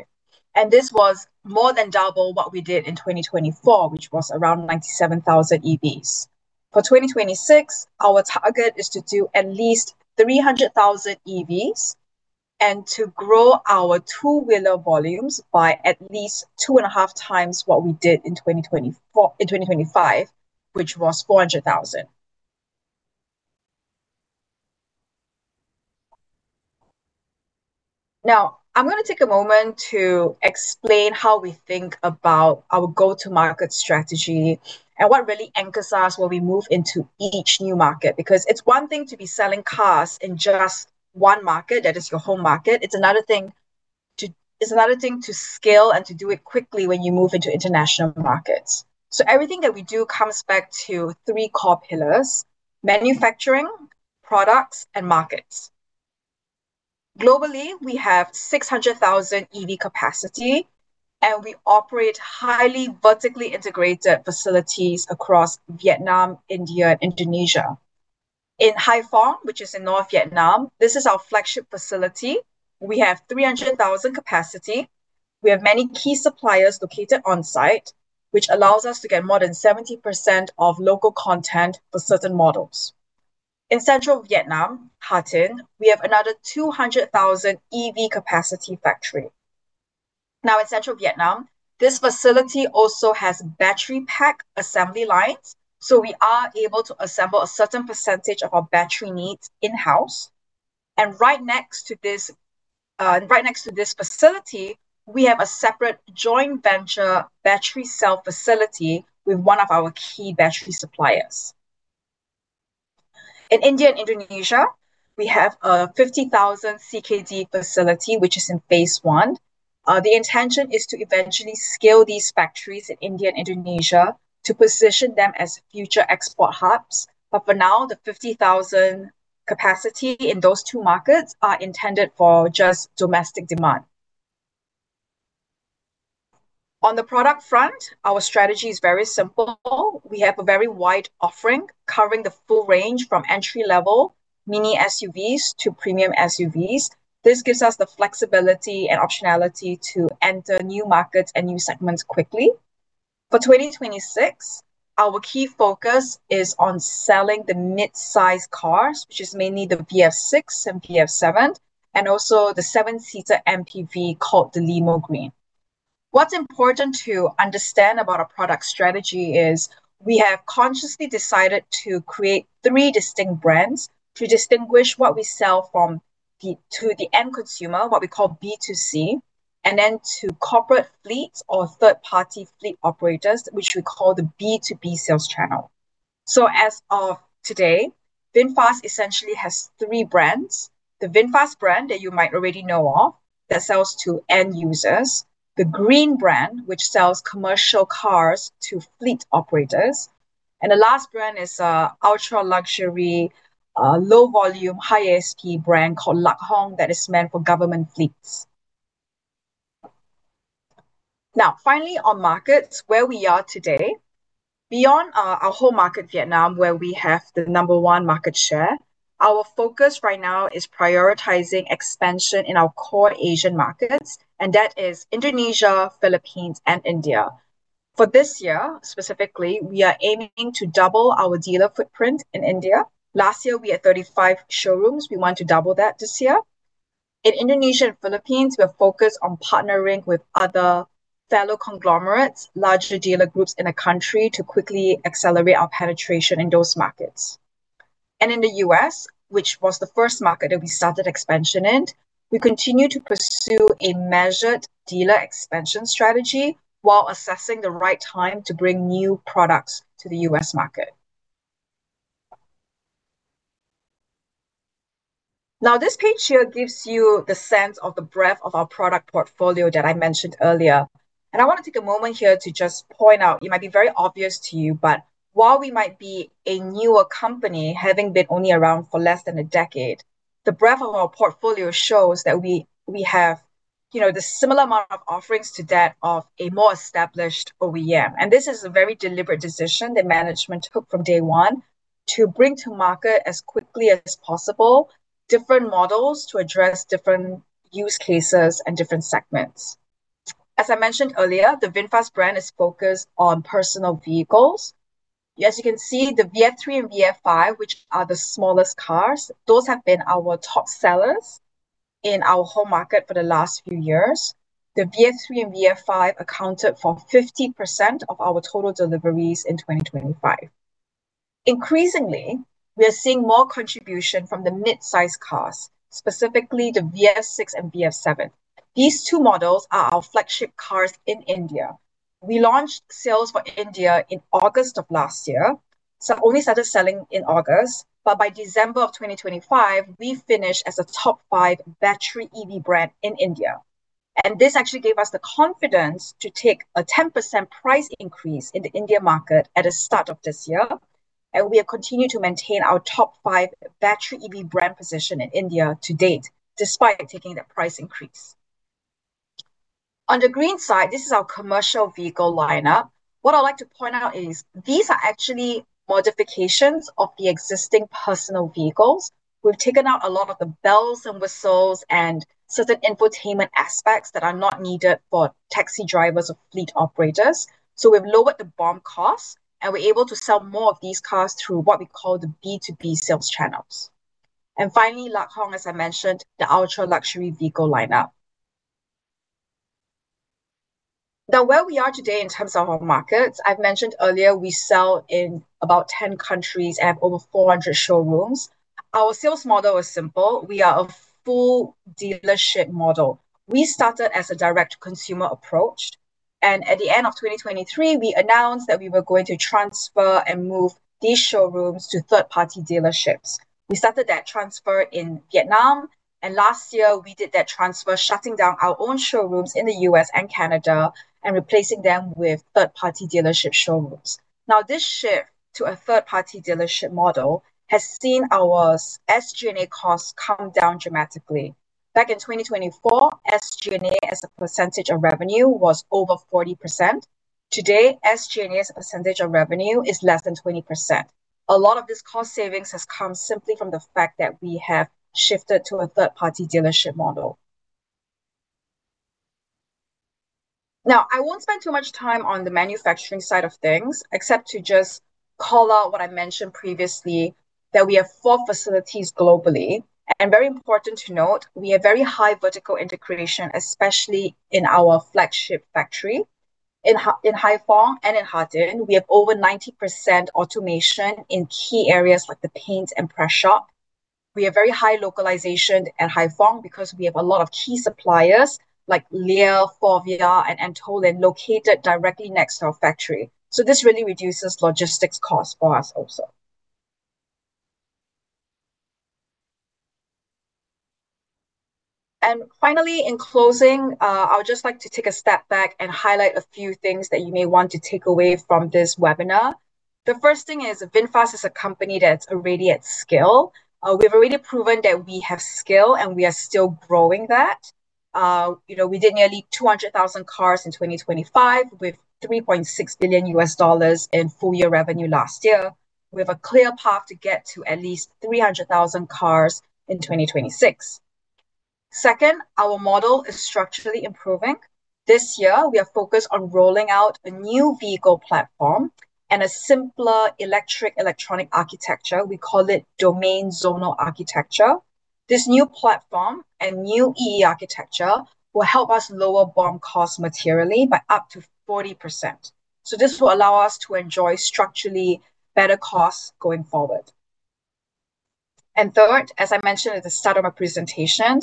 and this was more than double what we did in 2024, which was around 97,000 EVs. For 2026, our target is to do at least 300,000 EVs and to grow our two-wheeler volumes by at least two and a half times what we did in 2025, which was 400,000. Now, I'm going to take a moment to explain how we think about our go-to market strategy and what really anchors us when we move into each new market. Because it's one thing to be selling cars in just one market, that is your home market. It's another thing to scale and to do it quickly when you move into international markets. Everything that we do comes back to 3 core pillars, manufacturing, products, and markets. Globally, we have 600,000 EV capacity, and we operate highly vertically integrated facilities across Vietnam, India, and Indonesia. In Hai Phong, which is in north Vietnam, this is our flagship facility. We have 300,000 capacity. We have many key suppliers located on-site, which allows us to get more than 70% of local content for certain models. In central Vietnam, Hà Tĩnh, we have another 200,000 EV capacity factory. Now, in central Vietnam, this facility also has battery pack assembly lines. We are able to assemble a certain percentage of our battery needs in-house. Right next to this facility, we have a separate joint venture battery cell facility with one of our key battery suppliers. In India and Indonesia, we have a 50,000 CKD facility, which is in phase one. The intention is to eventually scale these factories in India and Indonesia to position them as future export hubs. For now, the 50,000 capacity in those two markets are intended for just domestic demand. On the product front, our strategy is very simple. We have a very wide offering covering the full range from entry-level mini SUVs to premium SUVs. This gives us the flexibility and optionality to enter new markets and new segments quickly. For 2026, our key focus is on selling the mid-size cars, which is mainly the VF 6 and VF 7, and also the seven-seater MPV called the Limo Green. What's important to understand about our product strategy is we have consciously decided to create three distinct brands to distinguish what we sell to the end consumer, what we call B2C, and then to corporate fleets or third-party fleet operators, which we call the B2B sales channel. As of today, VinFast essentially has three brands, the VinFast brand that you might already know of, that sells to end users, the Green brand, which sells commercial cars to fleet operators, and the last brand is a ultra-luxury, low volume, high SP brand called Lac Hong that is meant for government fleets. Now, finally on markets, where we are today. Beyond our home market, Vietnam, where we have the number one market share, our focus right now is prioritizing expansion in our core Asian markets, and that is Indonesia, Philippines, and India. For this year, specifically, we are aiming to double our dealer footprint in India. Last year, we had 35 showrooms. We want to double that this year. In Indonesia and Philippines, we are focused on partnering with other fellow conglomerates, larger dealer groups in the country to quickly accelerate our penetration in those markets. In the U.S., which was the first market that we started expansion in, we continue to pursue a measured dealer expansion strategy while assessing the right time to bring new products to the U.S. market. Now, this page here gives you the sense of the breadth of our product portfolio that I mentioned earlier. I want to take a moment here to just point out, it might be very obvious to you, but while we might be a newer company, having been only around for less than a decade, the breadth of our portfolio shows that we have the similar amount of offerings to that of a more establis hed OEM. This is a very deliberate decision that management took from day one to bring to market as quickly as possible different models to address different use cases and different segments. As I mentioned earlier, the VinFast brand is focused on personal vehicles. As you can see, the VF 3 and VF 5, which are the smallest cars, those have been our top sellers in our home market for the last few years. The VF 3 and VF 5 accounted for 50% of our total deliveries in 2025. Increasingly, we are seeing more contribution from the mid-size cars, specifically the VF 6 and VF 7. These two models are our flagship cars in India. We launched sales for India in August of last year, so only started selling in August, but by December of 2025, we finished as a top five battery EV brand in India. This actually gave us the confidence to take a 10% price increase in the India market at the start of this year. We have continued to maintain our top five battery EV brand position in India to date, despite taking that price increase. On the Green side, this is our commercial vehicle lineup. What I'd like to point out is these are actually modifications of the existing personal vehicles. We've taken out a lot of the bells and whistles and certain infotainment aspects that are not needed for taxi drivers or fleet operators. We've lowered the BOM cost, and we're able to sell more of these cars through what we call the B2B sales channels. Finally, Lac Hong, as I mentioned, the ultra-luxury vehicle lineup. Now where we are today in terms of our markets, I've mentioned earlier, we sell in about 10 countries and have over 400 showrooms. Our sales model is simple. We are a full dealership model. We started as a direct-to-consumer approach, and at the end of 2023, we announced that we were going to transfer and move these showrooms to third-party dealerships. We started that transfer in Vietnam, and last year we did that transfer, shutting down our own showrooms in the U.S. and Canada and replacing them with third-party dealership showrooms. Now, this shift to a third-party dealership model has seen our SG&A costs come down dramatically. Back in 2024, SG&A as a percentage of revenue was over 40%. Today, SG&A as a percentage of revenue is less than 20%. A lot of this cost savings has come simply from the fact that we have shifted to a third-party dealership model. Now, I won't spend too much time on the manufacturing side of things, except to just call out what I mentioned previously, that we have 4 facilities globally. Very important to note, we have very high vertical integration, especially in our flagship factory. In Hải Phòng and in Hà Tĩnh, we have over 90% automation in key areas like the paint and press shop. We have very high localization at Hải Phòng because we have a lot of key suppliers like Lear Corporation, Faurecia, and Antolin located directly next to our factory. This really reduces logistics costs for us also. Finally, in closing, I would just like to take a step back and highlight a few things that you may want to take away from this webinar. The first thing is VinFast is a company that's already at scale. We have already proven that we have scale, and we are still growing that. We did nearly 200,000 cars in 2025 with $3.6 billion in full-year revenue last year. We have a clear path to get to at least 300,000 cars in 2026. Second, our model is structurally improving. This year, we are focused on rolling out a new vehicle platform and a simpler E/E architecture. We call it domain zonal architecture. This new platform and new E/E architecture will help us lower BOM cost materially by up to 40%. This will allow us to enjoy structurally better costs going forward. Third, as I mentioned at the start of my presentation,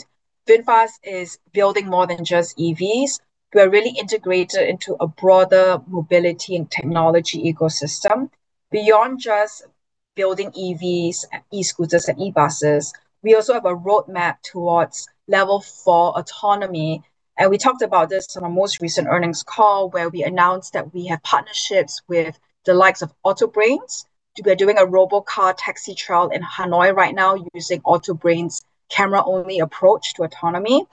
VinFast is building more than just EVs. We are really integrated into a broader mobility and technology ecosystem. Beyond just building EVs, e-scooters, and e-buses, we also have a roadmap towards level four autonomy, and we talked about this on our most recent earnings call, where we announced that we have partnerships with the likes of Autobrains. We are doing a robot car taxi trial in Hanoi right now using Autobrains' camera-only approach to autonomy.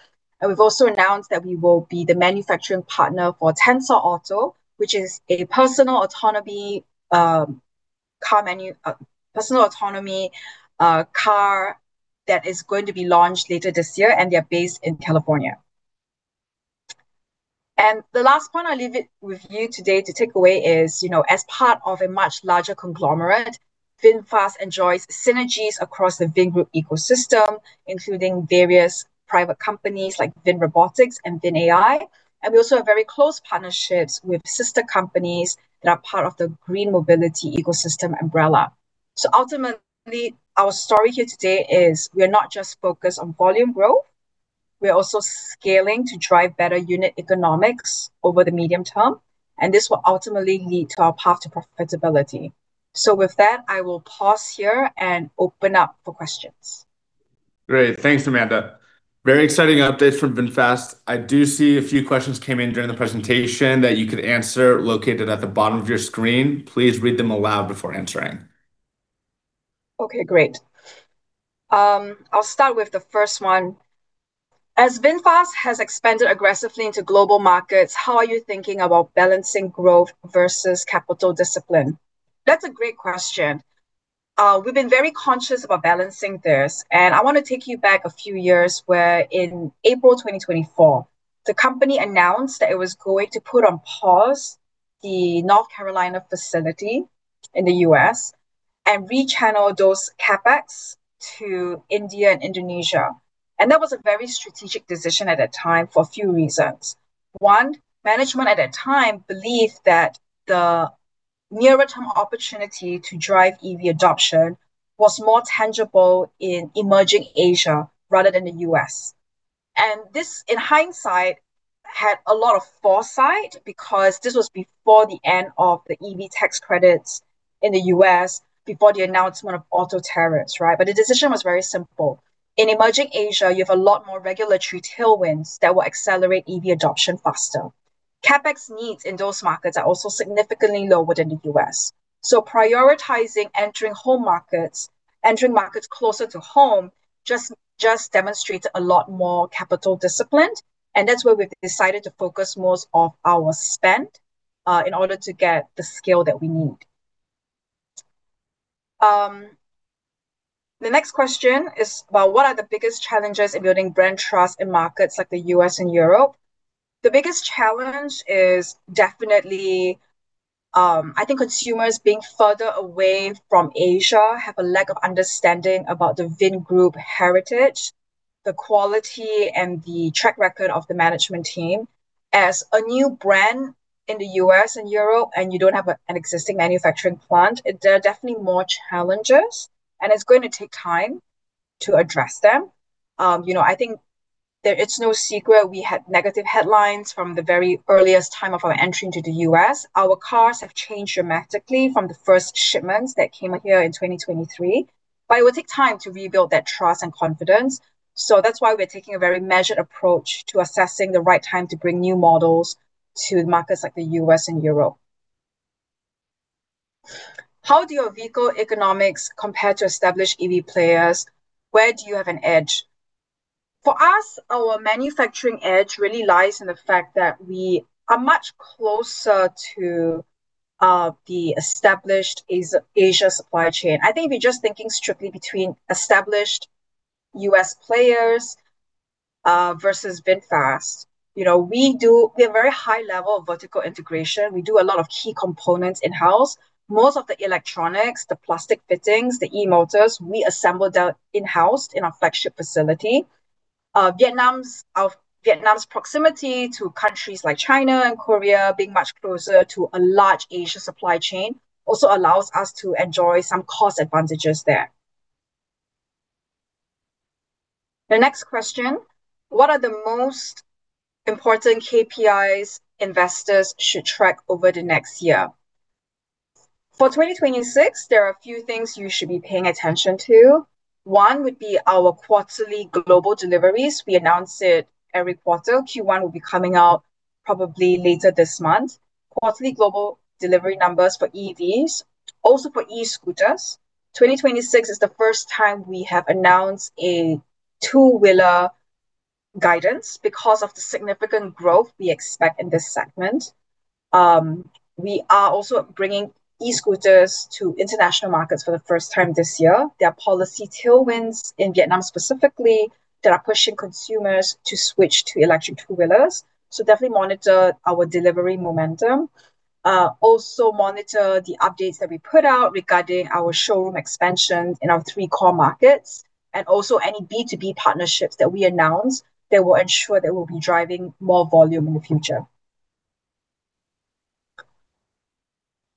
We've also announced that we will be the manufacturing partner for Tensor, which is a personal autonomy car that is going to be launched later this year, and they're based in California. The last point I leave with you today to take away is, as part of a much larger conglomerate, VinFast enjoys synergies across the Vingroup ecosystem, including various private companies like VinRobotics and VinAI. We also have very close partnerships with sister companies that are part of the green mobility ecosystem umbrella. Ultimately, our story here today is we're not just focused on volume growth, we are also scaling to drive better unit economics over the medium term, and this will ultimately lead to our path to profitability. With that, I will pause here and open up for questions. Great. Thanks, Amanda. Very exciting updates from VinFast. I do see a few questions came in during the presentation that you could answer located at the bottom of your screen. Please read them aloud before answering. Okay, great. I'll start with the first one. As VinFast has expanded aggressively into global markets, how are you thinking about balancing growth versus capital discipline? That's a great question. We've been very conscious about balancing this, and I want to take you back a few years where in April 2024, the company announced that it was going to put on pause the North Carolina facility in the U.S. and rechannel those CapEx to India and Indonesia. That was a very strategic decision at that time for a few reasons. One, management at that time believed that the nearer-term opportunity to drive EV adoption was more tangible in emerging Asia rather than the U.S. This, in hindsight, had a lot of foresight because this was before the end of the EV tax credits in the U.S., before the announcement of auto tariffs, right? The decision was very simple. In emerging Asia, you have a lot more regulatory tailwinds that will accelerate EV adoption faster. CapEx needs in those markets are also significantly lower than the U.S. Prioritizing entering markets closer to home just demonstrates a lot more capital discipline, and that's where we've decided to focus most of our spend, in order to get the scale that we need. The next question is about what are the biggest challenges in building brand trust in markets like the U.S. and Europe? The biggest challenge is definitely, I think consumers being further away from Asia have a lack of understanding about the Vingroup heritage, the quality, and the track record of the management team. As a new brand in the U.S. and Europe, and you don't have an existing manufacturing plant, there are definitely more challenges, and it's going to take time to address them. I think that it's no secret we had negative headlines from the very earliest time of our entry into the U.S. Our cars have changed dramatically from the first shipments that came here in 2023, but it will take time to rebuild that trust and confidence. That's why we're taking a very measured approach to assessing the right time to bring new models to markets like the U.S. and Europe. How do your vehicle economics compare to established EV players? Where do you have an edge? For us, our manufacturing edge really lies in the fact that we are much closer to the established Asia supply chain. I think if you're just thinking strictly between established U.S. players versus VinFast. We have very high level of vertical integration. We do a lot of key components in-house. Most of the electronics, the plastic fittings, the e-motors, we assemble that in-house in our flagship facility. Vietnam's proximity to countries like China and Korea, being much closer to a large Asian supply chain, also allows us to enjoy some cost advantages there. The next question: What are the most important KPIs investors should track over the next year? For 2026, there are a few things you should be paying attention to. One would be our quarterly global deliveries. We announce it every quarter. Q1 will be coming out probably later this month. Quarterly global delivery numbers for EVs, also for e-scooters. 2026 is the first time we have announced a two-wheeler guidance because of the significant growth we expect in this segment. We are also bringing e-scooters to international markets for the first time this year. There are policy tailwinds in Vietnam specifically that are pushing consumers to switch to electric two-wheelers. Definitely monitor our delivery momentum. Also monitor the updates that we put out regarding our showroom expansion in our three core markets. Also any B2B partnerships that we announce that will ensure that we'll be driving more volume in the future.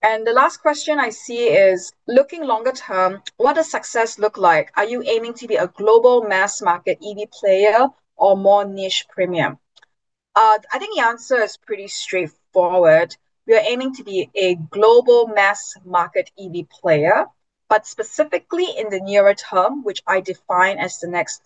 The last question I see is, looking longer term, what does success look like? Are you aiming to be a global mass market EV player or more niche premium? I think the answer is pretty straightforward. We are aiming to be a global mass market EV player. Specifically in the nearer term, which I define as the next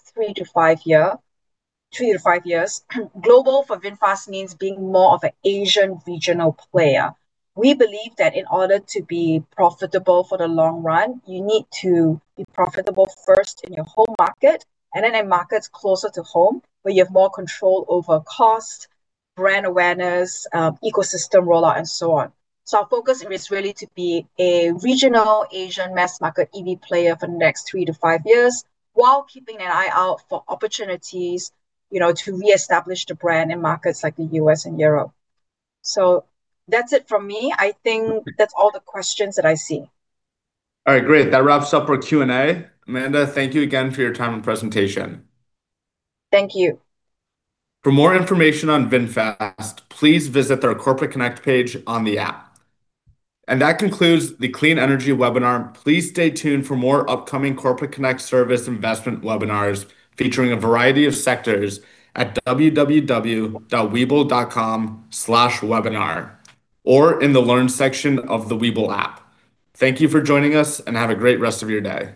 3-5 years, global for VinFast means being more of an Asian regional player. We believe that in order to be profitable for the long run, you need to be profitable first in your home market and then in markets closer to home, where you have more control over cost, brand awareness, ecosystem rollout, and so on. Our focus is really to be a regional Asian mass market EV player for the next 3-5 years, while keeping an eye out for opportunities to reestablish the brand in markets like the U.S. and Europe. That's it from me. I think that's all the questions that I see. All right, great. That wraps up our Q&A. Amanda, thank you again for your time and presentation. Thank you. For more information on VinFast, please visit their Corporate Connect page on the app. That concludes the Clean Energy webinar. Please stay tuned for more upcoming Corporate Connect series investment webinars featuring a variety of sectors at www.webull.com/webinar or in the Learn section of the Webull app. Thank you for joining us, and have a great rest of your day.